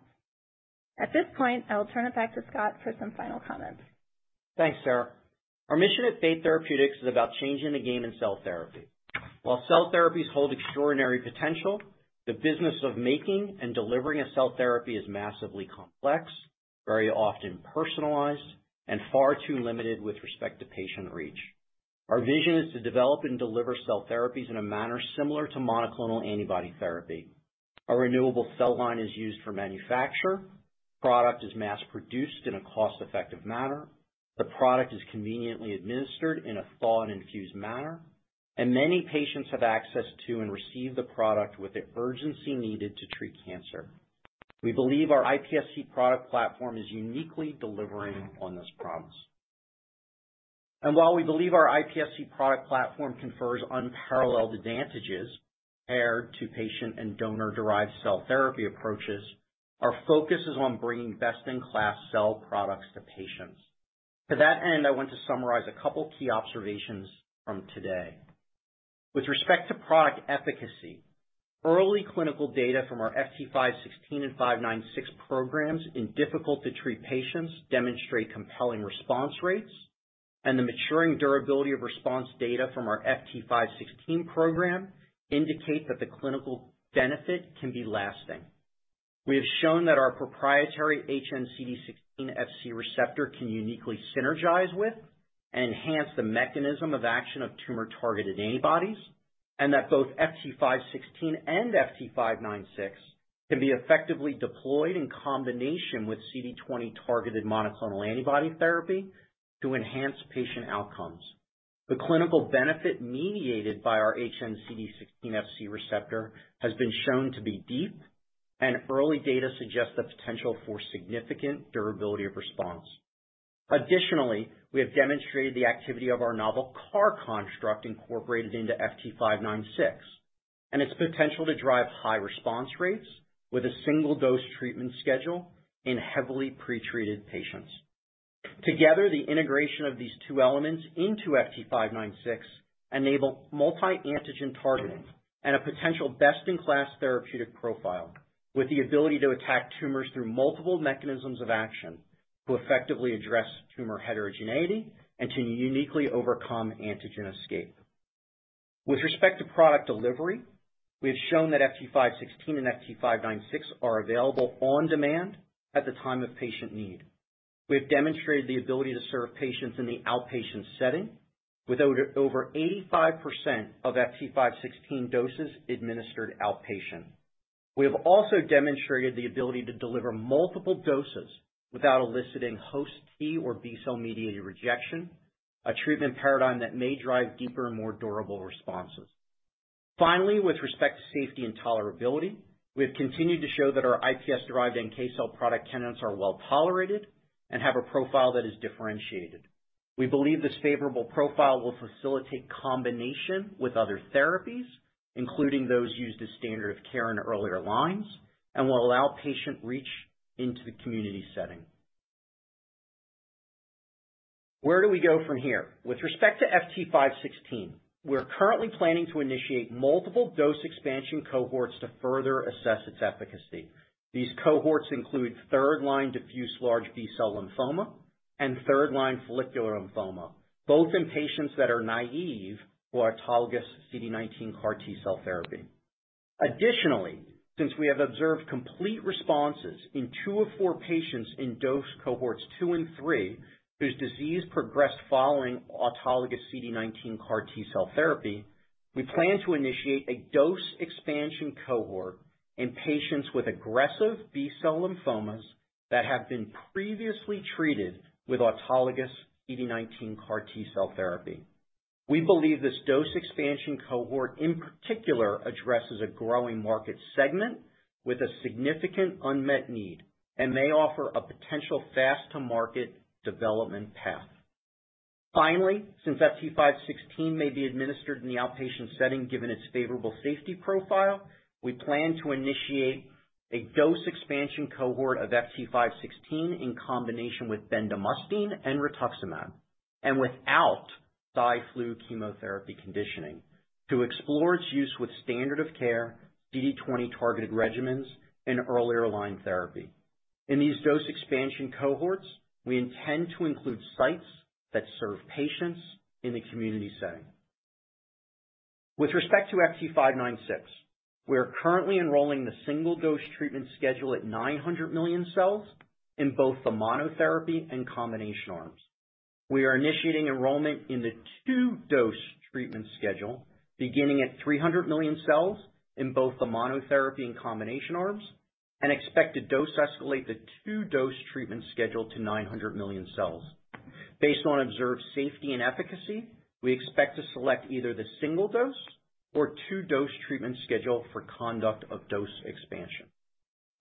At this point, I will turn it back to Scott for some final comments. Thanks, Sarah. Our mission at Fate Therapeutics is about changing the game in cell therapy. While cell therapies hold extraordinary potential, the business of making and delivering a cell therapy is massively complex, very often personalized, and far too limited with respect to patient reach. Our vision is to develop and deliver cell therapies in a manner similar to monoclonal antibody therapy. A renewable cell line is used for manufacture. Product is mass-produced in a cost-effective manner. The product is conveniently administered in a thaw-and-infuse manner, and many patients have access to and receive the product with the urgency needed to treat cancer. We believe our iPSC product platform is uniquely delivering on this promise. While we believe our iPSC product platform confers unparalleled advantages compared to patient and donor-derived cell therapy approaches, our focus is on bringing best-in-class cell products to patients. To that end, I want to summarize a couple key observations from today. With respect to product efficacy, early clinical data from our FT516 and FT596 programs in difficult-to-treat patients demonstrate compelling response rates, and the maturing durability of response data from our FT516 program indicate that the clinical benefit can be lasting. We have shown that our proprietary hnCD16 Fc receptor can uniquely synergize with and enhance the mechanism of action of tumor-targeted antibodies, and that both FT516 and FT596 can be effectively deployed in combination with CD20-targeted monoclonal antibody therapy to enhance patient outcomes. The clinical benefit mediated by our hnCD16 Fc receptor has been shown to be deep and early data suggests the potential for significant durability of response. Additionally, we have demonstrated the activity of our novel CAR construct incorporated into FT596 and its potential to drive high response rates with a single-dose treatment schedule in heavily pretreated patients. Together, the integration of these two elements into FT596 enable multi-antigen targeting and a potential best-in-class therapeutic profile, with the ability to attack tumors through multiple mechanisms of action to effectively address tumor heterogeneity and to uniquely overcome antigen escape. With respect to product delivery, we have shown that FT516 and FT596 are available on demand at the time of patient need. We have demonstrated the ability to serve patients in the outpatient setting with over 85% of FT516 doses administered outpatient. We have also demonstrated the ability to deliver multiple doses without eliciting host T or B-cell-mediated rejection, a treatment paradigm that may drive deeper and more durable responses. Finally, with respect to safety and tolerability, we have continued to show that our iPSC-derived NK cell product candidates are well-tolerated and have a profile that is differentiated. We believe this favorable profile will facilitate combination with other therapies, including those used as standard of care in earlier lines, and will allow patient reach into the community setting. Where do we go from here? With respect to FT516, we're currently planning to initiate multiple dose expansion cohorts to further assess its efficacy. These cohorts include third-line diffuse large B-cell lymphoma and third-line follicular lymphoma, both in patients that are naive to autologous CD19 CAR T-cell therapy. Additionally, since we have observed complete responses in two of four patients in dose cohorts 2 and 3, whose disease progressed following autologous CD19 CAR T-cell therapy, we plan to initiate a dose expansion cohort in patients with aggressive B-cell lymphomas that have been previously treated with autologous CD19 CAR T-cell therapy. We believe this dose expansion cohort in particular addresses a growing market segment with a significant unmet need and may offer a potential fast-to-market development path. Finally, since FT516 may be administered in the outpatient setting given its favorable safety profile, we plan to initiate a dose expansion cohort of FT516 in combination with bendamustine and rituximab, and without Cy/Flu chemotherapy conditioning to explore its use with standard of care, CD20-targeted regimens in earlier-line therapy. In these dose expansion cohorts, we intend to include sites that serve patients in a community setting. With respect to FT596, we are currently enrolling the single-dose treatment schedule at 900 million cells in both the monotherapy and combination arms. We are initiating enrollment in the two-dose treatment schedule beginning at 300 million cells in both the monotherapy and combination arms, and expect to dose escalate the two-dose treatment schedule to 900 million cells. Based on observed safety and efficacy, we expect to select either the single-dose or two-dose treatment schedule for conduct of dose expansion.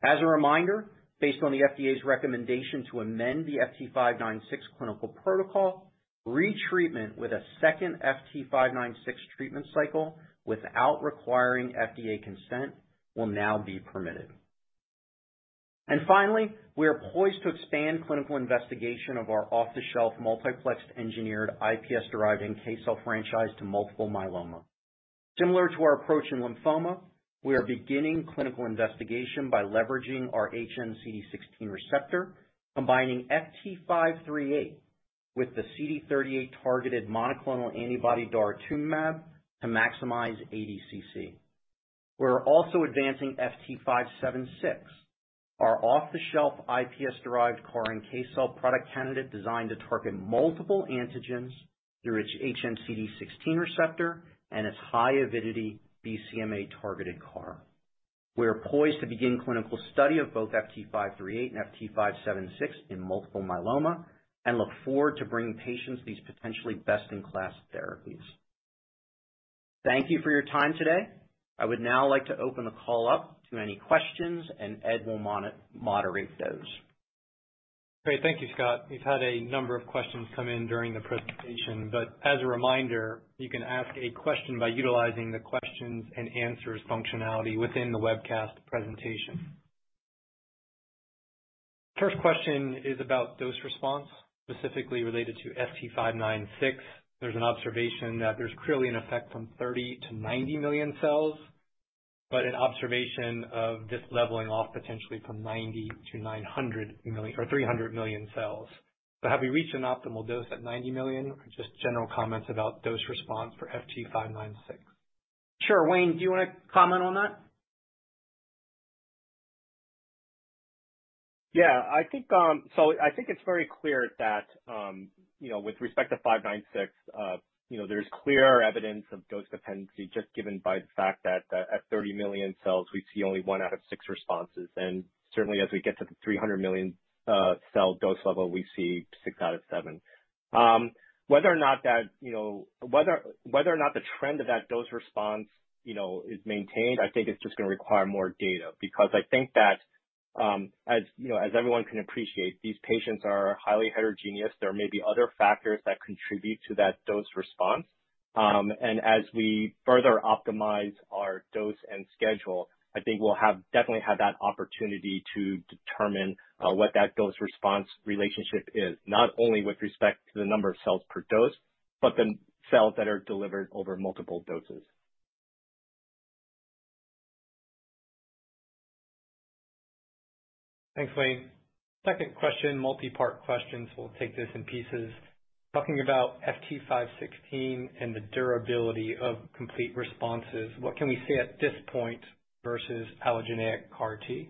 As a reminder, based on the FDA's recommendation to amend the FT596 clinical protocol, retreatment with a second FT596 treatment cycle without requiring FDA consent will now be permitted. Finally, we are poised to expand clinical investigation of our off-the-shelf multiplex engineered iPSC-derived NK cell franchise to multiple myeloma. Similar to our approach in lymphoma, we are beginning clinical investigation by leveraging our hnCD16 receptor, combining FT538 with the CD38-targeted monoclonal antibody daratumumab to maximize ADCC. We're also advancing FT576, our off-the-shelf iPSC-derived CAR NK cell product candidate designed to target multiple antigens through its hnCD16 receptor and its high avidity BCMA-targeted CAR. We are poised to begin clinical study of both FT538 and FT576 in multiple myeloma and look forward to bringing patients these potentially best-in-class therapies. Thank you for your time today. I would now like to open the call up to any questions, and Ed will moderate those. Great. Thank you, Scott. We've had a number of questions come in during the presentation, but as a reminder, you can ask a question by utilizing the questions and answers functionality within the webcast presentation. First question is about dose response, specifically related to FT596. There's an observation that there's clearly an effect from 30 million-90 million cells, but an observation of this leveling off potentially from 90 million-300 million cells. So have we reached an optimal dose at 90 million? Or just general comments about dose response for FT596. Sure. Wayne, do you want to comment on that? I think it's very clear that with respect to FT596, there's clearer evidence of dose dependency just given by the fact that at 30 million cells, we see only one out of six responses. Certainly as we get to the 300 million cell dose level, we see six out of seven. Whether or not the trend of that dose response is maintained, I think it's just going to require more data because I think that, as everyone can appreciate, these patients are highly heterogeneous. There may be other factors that contribute to that dose response. As we further optimize our dose and schedule, I think we'll definitely have that opportunity to determine what that dose response relationship is, not only with respect to the number of cells per dose Cells that are delivered over multiple doses. Thanks, Wayne. Second question, multipart question. We'll take this in pieces. Talking about FT516 and the durability of complete responses, what can we say at this point versus allogeneic CAR T?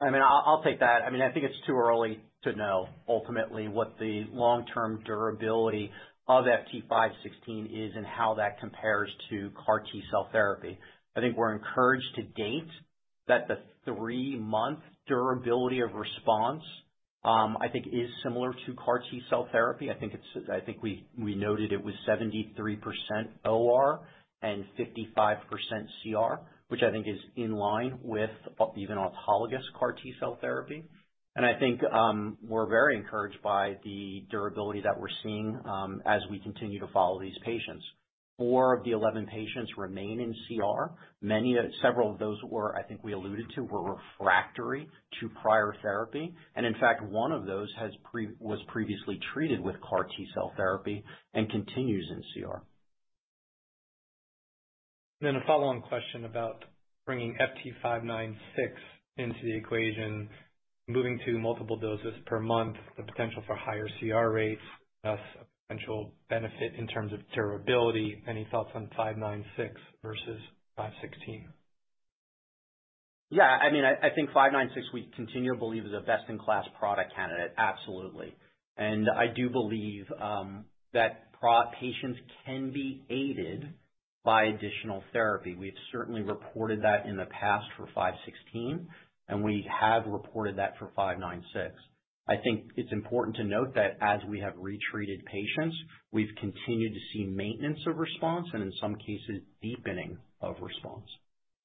I'll take that. I think it's too early to know ultimately what the long-term durability of FT516 is and how that compares to CAR T-cell therapy. I think we're encouraged to date that the three-month durability of response, I think, is similar to CAR T-cell therapy. I think we noted it was 73% OR and 55% CR, which I think is in line with even autologous CAR T-cell therapy. I think we're very encouraged by the durability that we're seeing as we continue to follow these patients. Four of the 11 patients remain in CR. Several of those, I think we alluded to, were refractory to prior therapy. In fact, one of those was previously treated with CAR T-cell therapy and continues in CR. A follow-on question about bringing FT596 into the equation, moving to multiple doses per month, the potential for higher CR rates, thus a potential benefit in terms of durability. Any thoughts on FT596 versus FT516? Yeah. I think FT596 we continue to believe is a best-in-class product candidate, absolutely. I do believe that patients can be aided by additional therapy. We've certainly reported that in the past for FT516, and we have reported that for FT596. I think it's important to note that as we have retreated patients, we've continued to see maintenance of response and in some cases, deepening of response.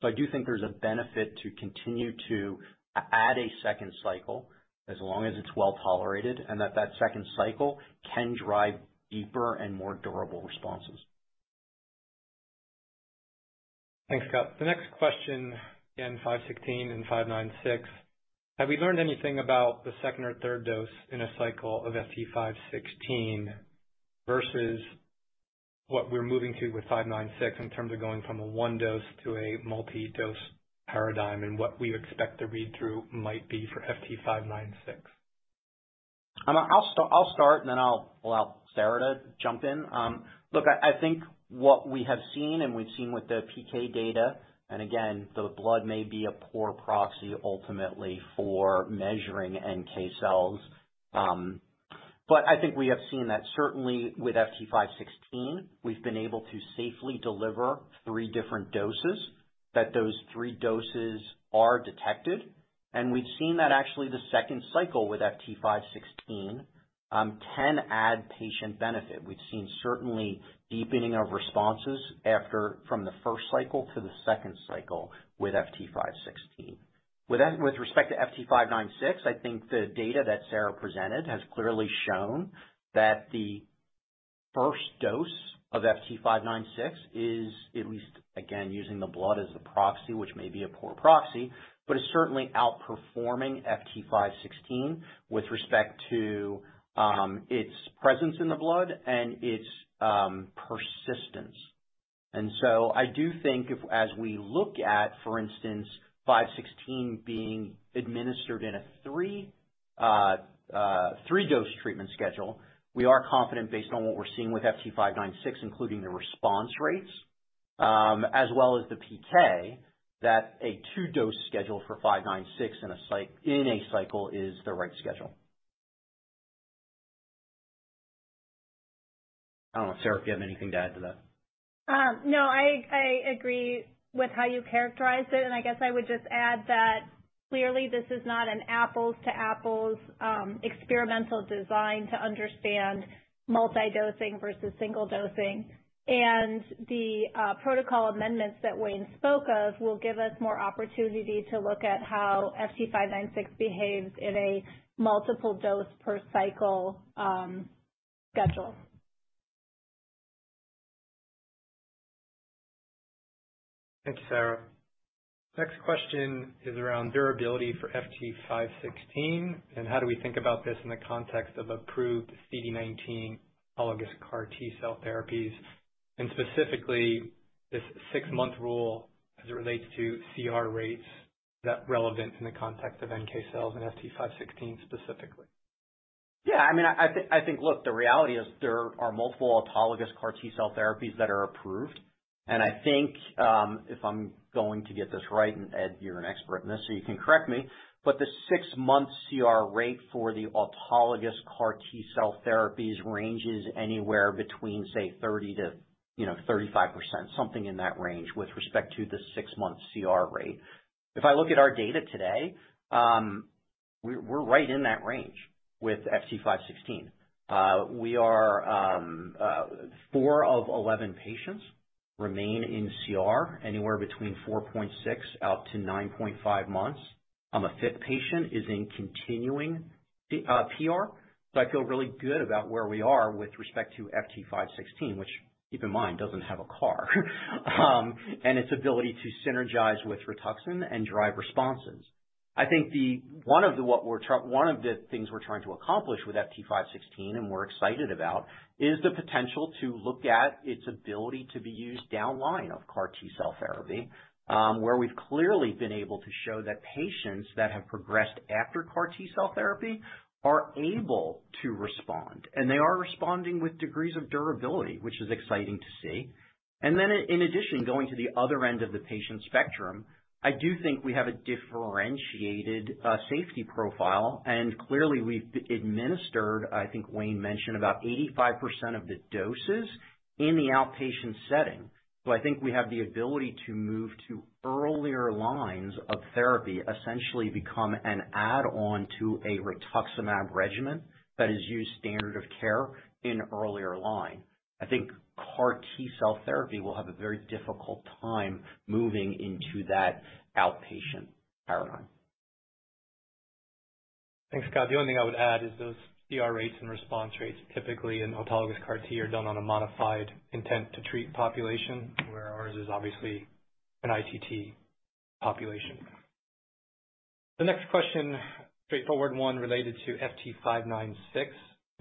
I do think there's a benefit to continue to add a second cycle, as long as it's well-tolerated, and that that second cycle can drive deeper and more durable responses. Thanks, Scott. The next question, again, FT516 and FT596. Have we learned anything about the second or third dose in a cycle of FT516 versus what we're moving to with FT596 in terms of going from a one dose to a multi-dose paradigm, and what we expect the read-through might be for FT596? I'll start, and then I'll allow Sarah to jump in. Look, I think what we have seen, and we've seen with the PK data, and again, the blood may be a poor proxy ultimately for measuring NK cells. I think we have seen that certainly with FT516, we've been able to safely deliver three different doses, that those three doses are detected. We've seen that actually the second cycle with FT516 can add patient benefit. We've seen certainly deepening of responses from the first cycle to the second cycle with FT516. With respect to FT596, I think the data that Sarah presented has clearly shown that the first dose of FT596 is at least, again, using the blood as the proxy, which may be a poor proxy, but is certainly outperforming FT516 with respect to its presence in the blood and its persistence. I do think as we look at, for instance, FT516 being administered in a three-dose treatment schedule, we are confident based on what we're seeing with FT596, including the response rates, as well as the PK, that a two-dose schedule for FT596 in a cycle is the right schedule. I don't know, Sarah, if you have anything to add to that. No, I agree with how you characterized it, and I guess I would just add that clearly this is not an apples to apples experimental design to understand multi-dosing versus single dosing. The protocol amendments that Wayne spoke of will give us more opportunity to look at how FT596 behaves in a multiple dose per cycle schedule. Thank you, Sarah. Next question is around durability for FT516, and how do we think about this in the context of approved CD19 autologous CAR T-cell therapies, and specifically this six-month rule as it relates to CR rates that relevant in the context of NK cells and FT516 specifically? Yeah. I think, look, the reality is there are multiple autologous CAR T-cell therapies that are approved. I think, if I'm going to get this right, and Ed, you're an expert in this, so you can correct me, but the six-month CR rate for the autologous CAR T-cell therapies ranges anywhere between, say, 30%-35%, something in that range with respect to the six-month CR rate. If I look at our data today, we're right in that range with FT516. Four of 11 patients remain in CR, anywhere between 4.6 out to 9.5 months. A fifth patient is in continuing PR. I feel really good about where we are with respect to FT516, which keep in mind, doesn't have a CAR, and its ability to synergize with Rituxan and drive responses. I think one of the things we're trying to accomplish with FT516 and we're excited about is the potential to look at its ability to be used downline of CAR T-cell therapy, where we've clearly been able to show that patients that have progressed after CAR T-cell therapy are able to respond, and they are responding with degrees of durability, which is exciting to see. In addition, going to the other end of the patient spectrum, I do think we have a differentiated safety profile, and clearly we've administered, I think Wayne mentioned, about 85% of the doses in the outpatient setting. I think we have the ability to move to earlier lines of therapy, essentially become an add-on to a rituximab regimen that is used standard of care in earlier line. I think CAR T-cell therapy will have a very difficult time moving into that outpatient paradigm. Thanks, Scott. The only thing I would add is those CR rates and response rates, typically in autologous CAR T are done on a modified intent-to-treat population, where ours is obviously an ITT population. The next question, straightforward one related to FT596,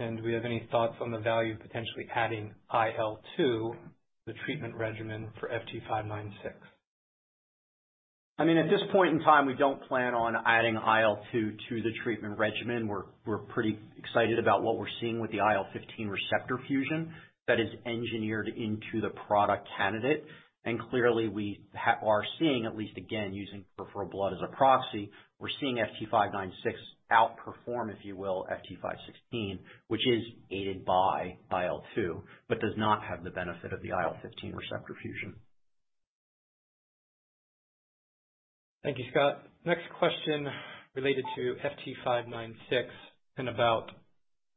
and do we have any thoughts on the value of potentially adding IL-2 to the treatment regimen for FT596? At this point in time, we don't plan on adding IL-2 to the treatment regimen. We're pretty excited about what we're seeing with the IL-15 receptor fusion that is engineered into the product candidate. Clearly we are seeing, at least again using peripheral blood as a proxy, we're seeing FT596 outperform, if you will, FT516, which is aided by IL-2, but does not have the benefit of the IL-15 receptor fusion. Thank you, Scott. Next question related to FT596 and about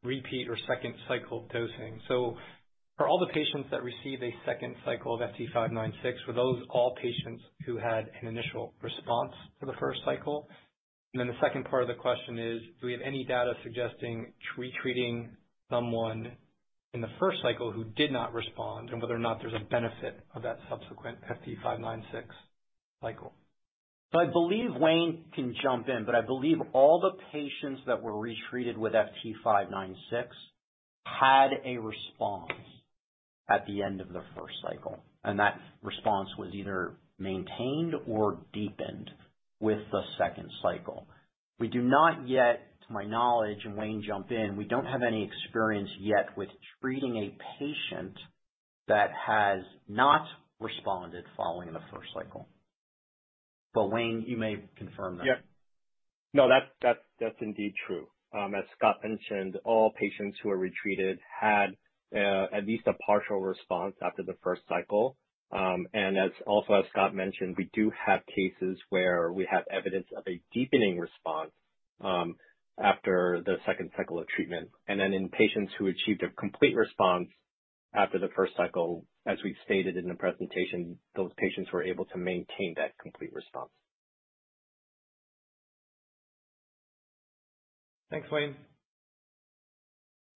repeat or second-cycle dosing. For all the patients that received a second cycle of FT596, were those all patients who had an initial response for the first cycle? The second part of the question is, do we have any data suggesting treating someone in the first cycle who did not respond, and whether or not there's a benefit of that subsequent FT596 cycle? I believe Wayne can jump in, but I believe all the patients that were retreated with FT596 had a response at the end of their first cycle, and that response was either maintained or deepened with the second cycle. We do not yet, to my knowledge, and Wayne jump in, we don't have any experience yet with treating a patient that has not responded following the first cycle. Wayne, you may confirm that. Yeah. That's indeed true. As Scott mentioned, all patients who were retreated had at least a partial response after the first cycle. Also, as Scott mentioned, we do have cases where we have evidence of a deepening response after the second cycle of treatment. Then in patients who achieved a complete response after the first cycle, as we've stated in the presentation, those patients were able to maintain that complete response. Thanks, Wayne.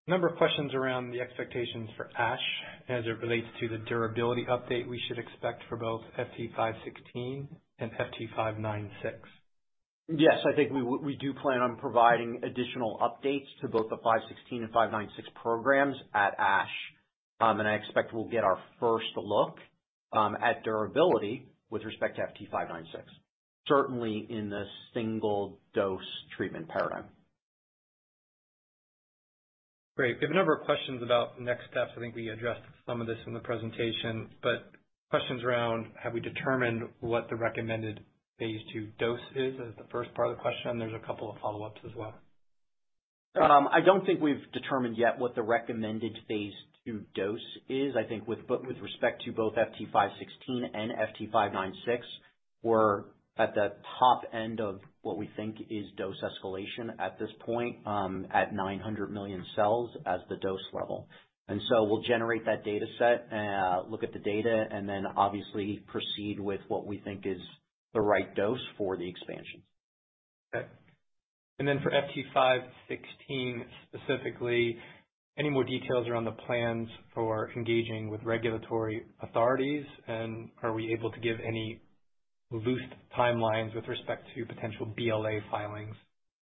A number of questions around the expectations for ASH as it relates to the durability update we should expect for both FT516 and FT596. Yes. I think we do plan on providing additional updates to both the FT516 and FT596 programs at ASH. I expect we'll get our first look at durability with respect to FT596, certainly in the single-dose treatment paradigm. Great. We have a number of questions about next steps. I think we addressed some of this in the presentation. Questions around have we determined what the recommended phase II dose is, as the first part of the question. There's a couple of follow-ups as well. I don't think we've determined yet what the recommended phase II dose is. I think with respect to both FT516 and FT596, we're at the top end of what we think is dose escalation at this point, at 900 million cells as the dose level. We'll generate that data set, look at the data, and then obviously proceed with what we think is the right dose for the expansion. Okay. Then for FT516 specifically, any more details around the plans for engaging with regulatory authorities, and are we able to give any loose timelines with respect to potential BLA filings?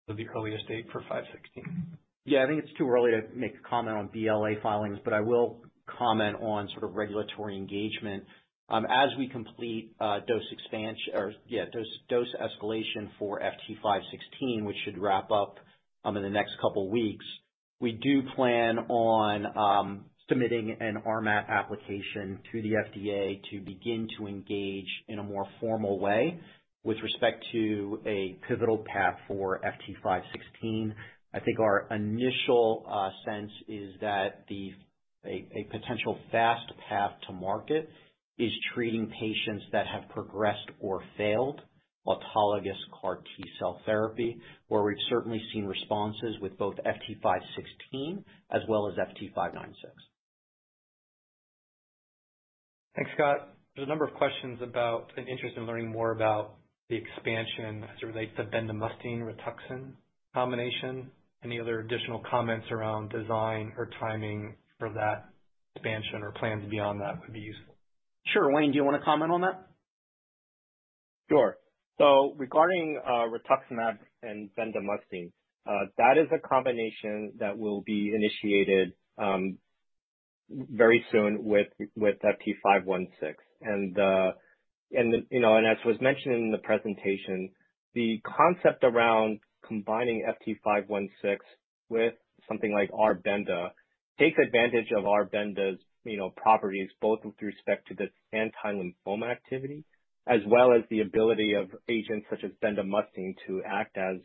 What would be earliest date for FT516? I think it's too early to make a comment on BLA filings, but I will comment on regulatory engagement. As we complete dose escalation for FT516, which should wrap up in the next couple of weeks, we do plan on submitting an RMAT application to the FDA to begin to engage in a more formal way with respect to a pivotal path for FT516. I think our initial sense is that a potential fast path to market is treating patients that have progressed or failed autologous CAR T-cell therapy, where we've certainly seen responses with both FT516 as well as FT596. Thanks, Scott. There's a number of questions about an interest in learning more about the expansion as it relates to bendamustine Rituxan combination. Any other additional comments around design or timing for that expansion or plans beyond that would be useful. Sure. Wayne, do you want to comment on that? Sure. Regarding rituximab and bendamustine, that is a combination that will be initiated very soon with FT516. As was mentioned in the presentation, the concept around combining FT516 with something like R-Benda takes advantage of R-Benda's properties, both with respect to the anti-lymphoma activity as well as the ability of agents such as bendamustine to act as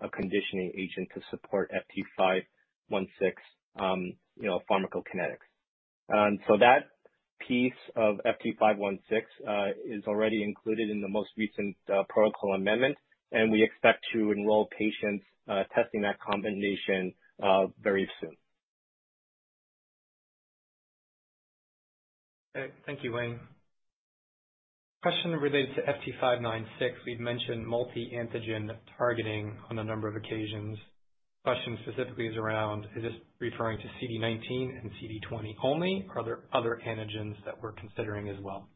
a conditioning agent to support FT516 pharmacokinetics. That piece of FT516 is already included in the most recent protocol amendment, and we expect to enroll patients testing that combination very soon. Okay. Thank you, Wayne. Question relates to FT596. We've mentioned multi-antigen targeting on a number of occasions. Question specifically is around, is this referring to CD19 and CD20 only, or are there other antigens that we're considering as well?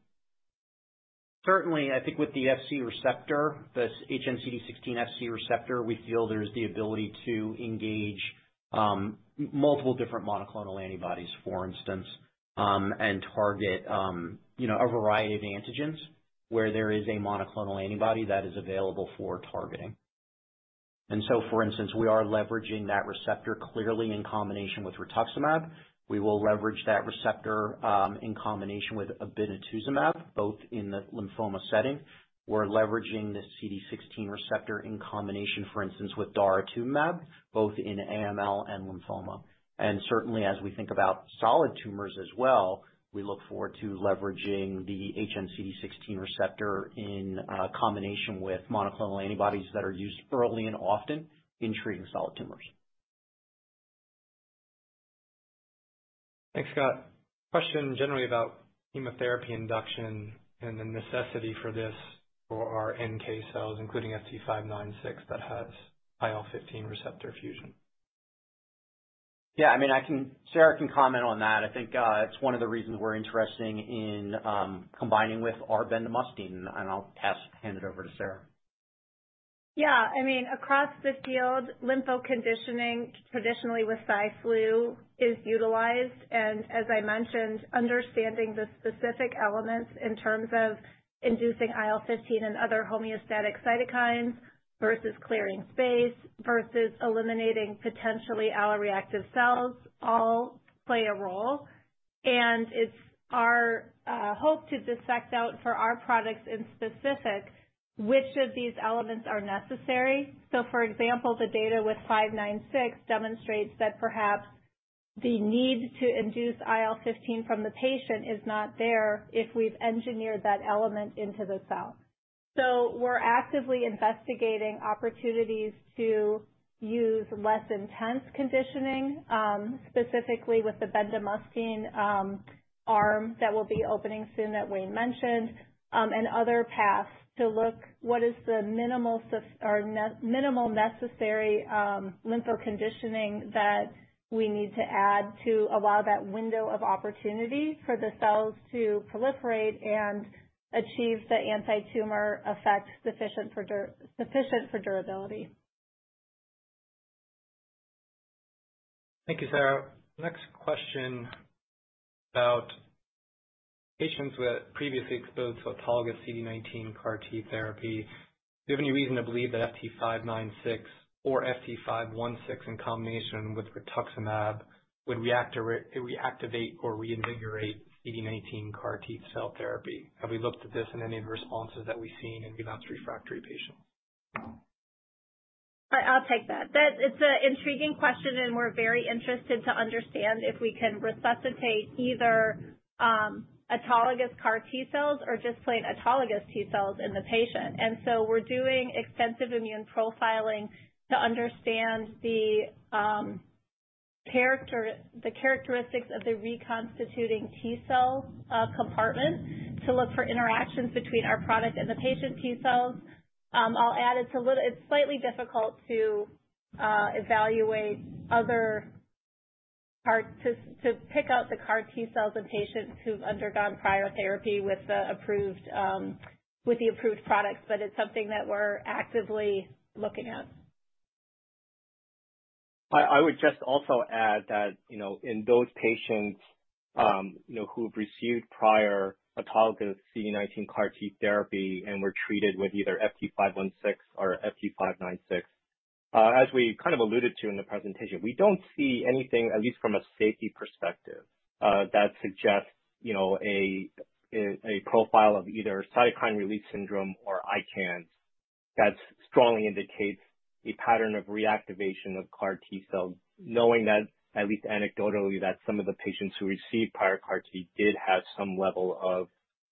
Certainly, I think with the Fc receptor, this hnCD16 Fc receptor, we feel there's the ability to engage multiple different monoclonal antibodies, for instance, and target a variety of antigens where there is a monoclonal antibody that is available for targeting. For instance, we are leveraging that receptor clearly in combination with rituximab. We will leverage that receptor in combination with obinutuzumab, both in the lymphoma setting. We're leveraging the CD16 receptor in combination, for instance, with daratumumab, both in AML and lymphoma. Certainly, as we think about solid tumors as well, we look forward to leveraging the hnCD16 receptor in combination with monoclonal antibodies that are used thoroughly and often in treating solid tumors. Thanks, Scott. Question generally about chemotherapy induction and the necessity for this for our NK cells, including FT596, that has IL-15 receptor fusion. Yeah. Sarah can comment on that. I think it's one of the reasons we're interested in combining with R-bendamustine, and I'll pass hand it over to Sarah. Across the field, lympho-conditioning, traditionally with Cy/Flu, is utilized. As I mentioned, understanding the specific elements in terms of inducing IL-15 and other homeostatic cytokines versus clearing space versus eliminating potentially alloreactive cells all play a role. It's our hope to dissect out for our products in specific which of these elements are necessary. For example, the data with FT596 demonstrates that perhaps the need to induce IL-15 from the patient is not there if we've engineered that element into the cell. We're actively investigating opportunities to use less intense conditioning, specifically with the bendamustine arm that will be opening soon that Wayne mentioned, and other paths to look what is the minimal necessary lympho-conditioning that we need to add to allow that window of opportunity for the cells to proliferate and achieve the anti-tumor effect sufficient for durability. Thank you, Sarah. Next question about patients previously exposed to autologous CD19 CAR T therapy. Do you have any reason to believe that FT596 or FT516 in combination with rituximab would reactivate or reinvigorate CD19 CAR T-cell therapy? Have we looked at this in any of the responses that we've seen in advanced refractory patients? I'll take that. It's an intriguing question. We're very interested to understand if we can resuscitate either autologous CAR T-cells or just plain autologous T cells in the patient. We're doing extensive immune profiling to understand the characteristics of the reconstituting T cell compartment to look for interactions between our product and the patient T cells. I'll add it's slightly difficult to evaluate other parts to pick out the CAR T-cells in patients who've undergone prior therapy with the approved products, but it's something that we're actively looking at. I would just also add that in those patients who've received prior autologous CD19 CAR T therapy and were treated with either FT516 or FT596, as we kind of alluded to in the presentation, we don't see anything, at least from a safety perspective, that suggests a profile of either cytokine release syndrome or ICANS that strongly indicates a pattern of reactivation of CAR T-cells, knowing that, at least anecdotally, that some of the patients who received prior CAR T did have some level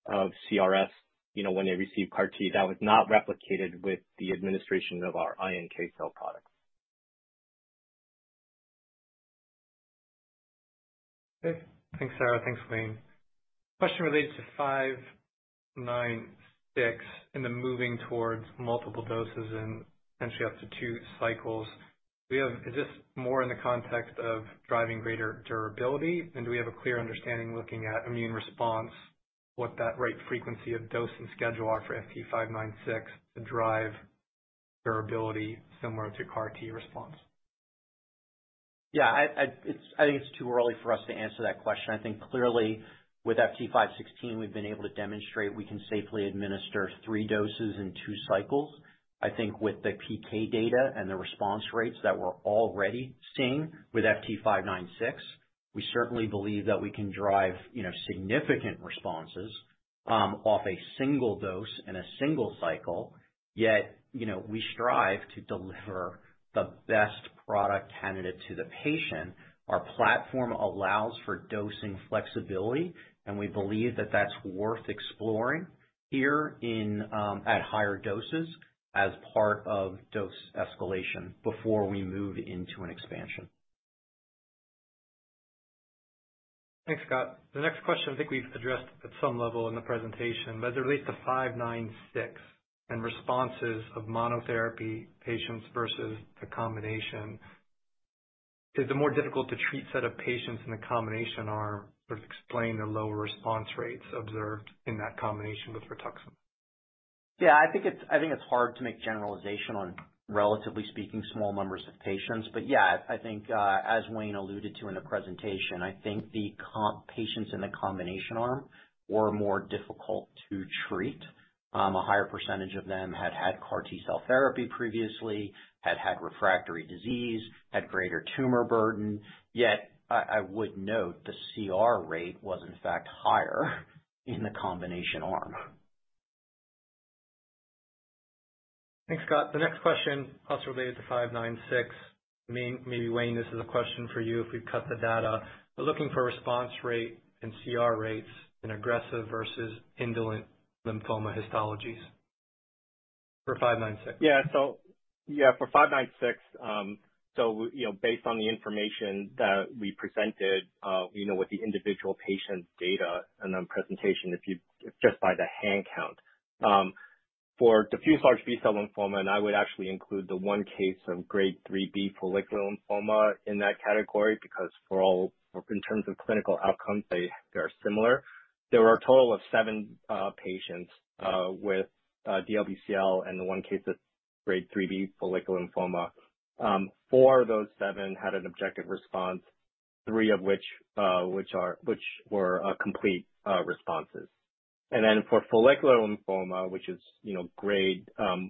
of CRS when they received CAR T that was not replicated with the administration of our iNK cell product. Okay. Thanks, Sarah. Thanks, Wayne. Question relates to FT596 and then moving towards multiple doses and potentially up to two cycles. Is this more in the context of driving greater durability? Do we have a clear understanding, looking at immune response, what that right frequency of dose and schedule are for FT596 to drive durability similar to CAR T response? I think it's too early for us to answer that question. I think clearly with FT516, we've been able to demonstrate we can safely administer three doses in two cycles. I think with the PK data and the response rates that we're already seeing with FT596, we certainly believe that we can drive significant responses off a single-dose and a single cycle. We strive to deliver the best product candidate to the patient. Our platform allows for dosing flexibility, and we believe that that's worth exploring here at higher doses as part of dose escalation before we move into an expansion. Thanks, Scott. The next question I think we've addressed at some level in the presentation, but as it relates to FT596 and responses of monotherapy patients versus the combination. Is it more difficult to treat set of patients in the combination arm, or explain the lower response rates observed in that combination with Rituximab? Yeah, I think it's hard to make generalization on, relatively speaking, small numbers of patients. Yeah, I think as Wayne Chu alluded to in the presentation, I think the patients in the combination arm were more difficult to treat. A higher percentage of them had had CAR T-cell therapy previously, had had refractory disease, had greater tumor burden. I would note the CR rate was, in fact, higher in the combination arm. Thanks, Scott. The next question, also related to FT596. Maybe, Wayne, this is a question for you if we've cut the data. We're looking for response rate and CR rates in aggressive versus indolent lymphoma histologies for FT596. Yeah. For FT596, based on the information that we presented with the individual patient's data and then presentation, just by the hand count. For diffuse large B-cell lymphoma, and I would actually include the one case of Grade 3B follicular lymphoma in that category, because for all in terms of clinical outcomes, they are similar. There were a total of seven patients with DLBCL and the one case that's Grade 3B follicular lymphoma. Four of those seven had an objective response, three of which were complete responses. For follicular lymphoma, which is Grade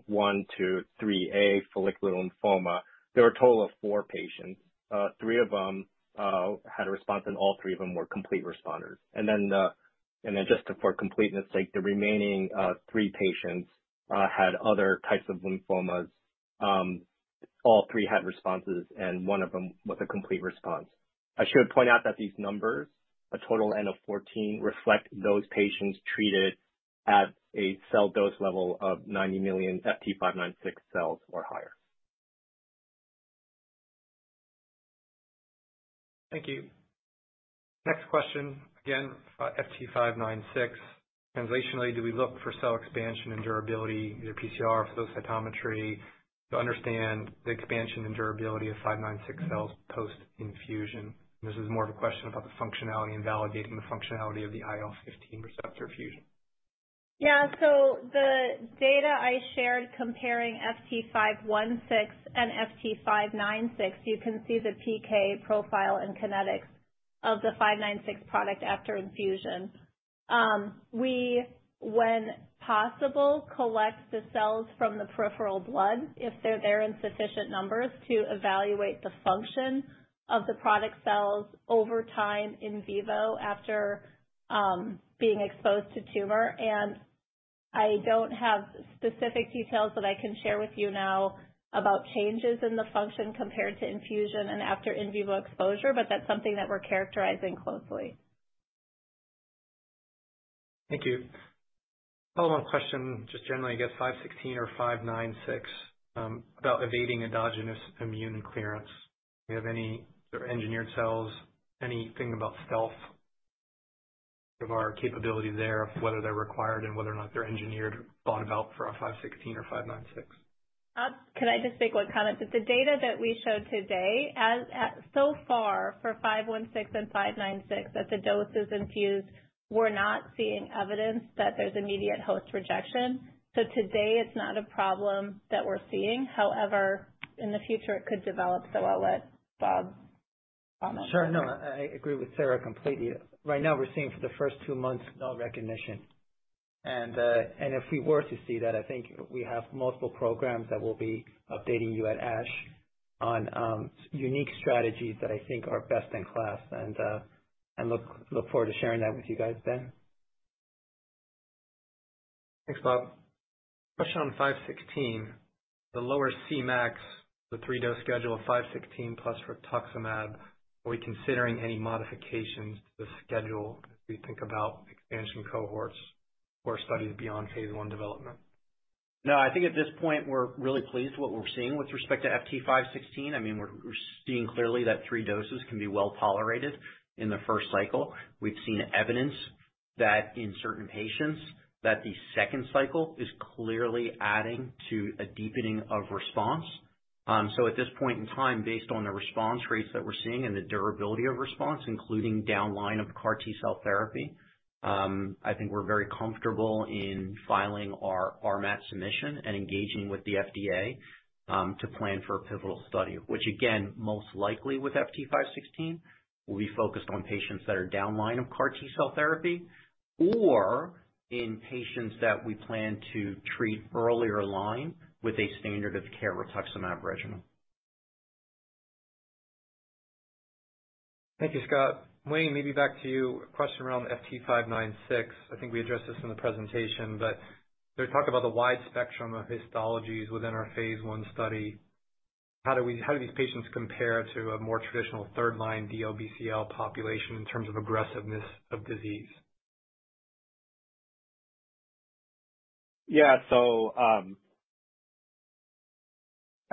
1 to 3A follicular lymphoma, there were a total of four patients. Three of them had a response, and all three of them were complete responders. Just for completeness sake, the remaining three patients had other types of lymphomas. All three had responses, and one of them was a complete response. I should point out that these numbers, a total N of 14, reflect those patients treated at a cell dose level of 90 million FT596 cells or higher. Thank you. Next question, again, about FT596. Translationally, do we look for cell expansion and durability, either PCR or flow cytometry, to understand the expansion and durability of FT596 cells post-infusion? This is more of a question about the functionality and validating the functionality of the IL-15 receptor fusion. The data I shared comparing FT516 and FT596, you can see the PK profile and kinetics of the FT596 product after infusion. We, when possible, collect the cells from the peripheral blood if they're there in sufficient numbers to evaluate the function of the product cells over time in vivo after being exposed to tumor. I don't have specific details that I can share with you now about changes in the function compared to infusion and after in vivo exposure, but that's something that we're characterizing closely. Thank you. Follow-on question, just generally, I guess FT516 or FT596, about evading endogenous immune clearance. Do you have any sort of engineered cells, anything about stealth of our capability there, whether they're required and whether or not they're engineered, thought about for a FT516 or FT596? Can I just make one comment? That the data that we showed today, so far for FT516 and FT596 at the doses infused, we're not seeing evidence that there's immediate host rejection. Today it's not a problem that we're seeing. However, in the future it could develop. I'll let Bob comment. Sure. No, I agree with Sarah completely. Right now we're seeing for the first two months no recognition. If we were to see that, I think we have multiple programs that we'll be updating you at ASH on unique strategies that I think are best in class, and look forward to sharing that with you guys then. Thanks, Bob. Question on FT516, the lower Cmax, the three-dose schedule of 516 plus rituximab, are we considering any modifications to the schedule as we think about expansion cohorts or studies beyond phase I development? No, I think at this point, we're really pleased with what we're seeing with respect to FT516. We're seeing clearly that three doses can be well-tolerated in the first cycle. We've seen evidence that in certain patients, that the second cycle is clearly adding to a deepening of response. At this point in time, based on the response rates that we're seeing and the durability of response, including downline of CAR T-cell therapy, I think we're very comfortable in filing our RMAT submission and engaging with the FDA to plan for a pivotal study. Again, most likely with FT516, will be focused on patients that are downline of CAR T-cell therapy, or in patients that we plan to treat earlier line with a standard of care rituximab regimen. Thank you, Scott. Wayne, maybe back to you. A question around FT596. I think we addressed this in the presentation, but there, talk about the wide spectrum of histologies within our phase I study. How do these patients compare to a more traditional third-line DLBCL population in terms of aggressiveness of disease?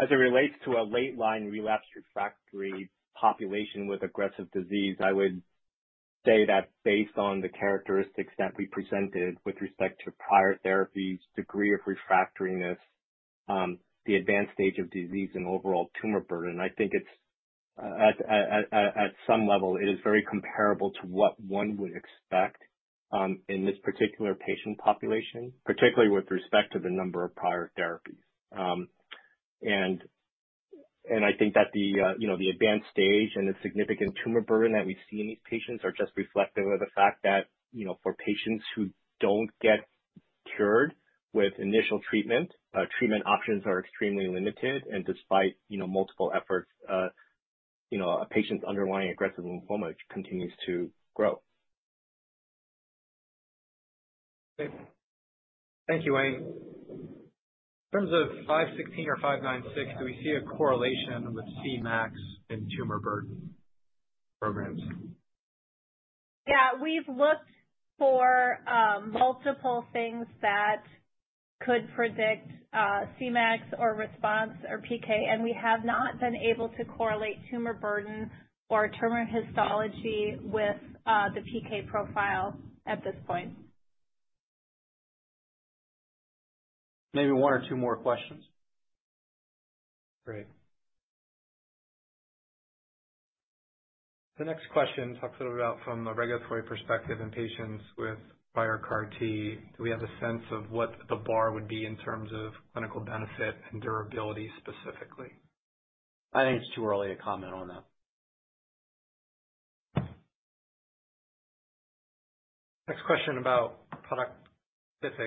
As it relates to a late-line relapsed refractory population with aggressive disease, I would say that based on the characteristics that we presented with respect to prior therapies, degree of refractoriness, the advanced stage of disease and overall tumor burden, I think at some level, it is very comparable to what one would expect in this particular patient population, particularly with respect to the number of prior therapies. I think that the advanced stage and the significant tumor burden that we see in these patients are just reflective of the fact that for patients who don't get cured with initial treatment options are extremely limited, and despite multiple efforts, a patient's underlying aggressive lymphoma continues to grow. Okay. Thank you, Wayne. In terms of FT516 or FT596, do we see a correlation with Cmax in tumor burden programs? Yeah. We've looked for multiple things that could predict Cmax or response or PK, and we have not been able to correlate tumor burden or tumor histology with the PK profile at this point. Maybe one or two more questions. Great. The next question talks a little about from the regulatory perspective in patients with prior CAR T, do we have a sense of what the bar would be in terms of clinical benefit and durability specifically? I think it's too early to comment on that. Next question about product-specific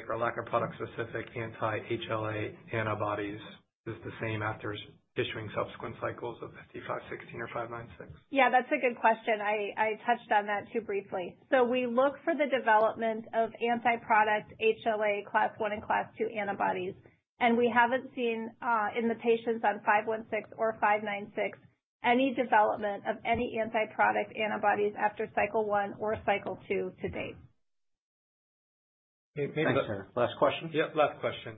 or lack of product-specific anti-HLA antibodies. Is the same after issuing subsequent cycles of FT516 or FT596? Yeah, that's a good question. I touched on that too briefly. We look for the development of anti-product HLA class one and class two antibodies, and we haven't seen, in the patients on FT516 or FT596, any development of any anti-product antibodies after cycle 1 or cycle 2 to date. Thanks, Sarah. Last question? Yep. Last question.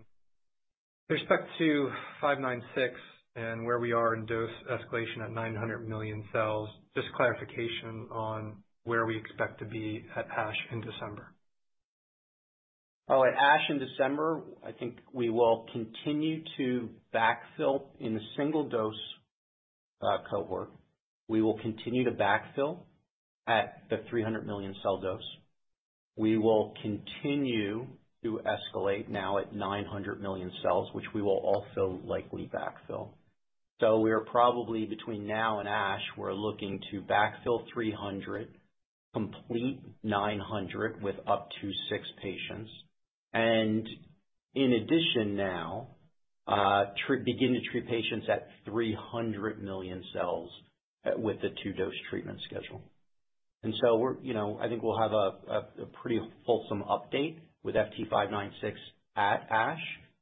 With respect to FT596 and where we are in dose escalation at 900 million cells, just clarification on where we expect to be at ASH in December. All right. ASH in December, I think we will continue to backfill in the single-dose cohort. We will continue to backfill at the 300 million cell dose. We will continue to escalate now at 900 million cells, which we will also likely backfill. We are probably between now and ASH, we're looking to backfill 300, complete 900 with up to six patients. In addition now, begin to treat patients at 300 million cells with the two-dose treatment schedule. I think we'll have a pretty fulsome update with FT596 at ASH,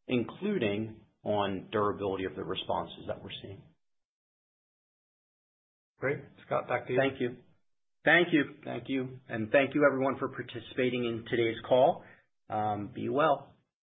including on durability of the responses that we're seeing. Great. Scott, back to you. Thank you. Thank you, and thank you everyone for participating in today's call. Be well.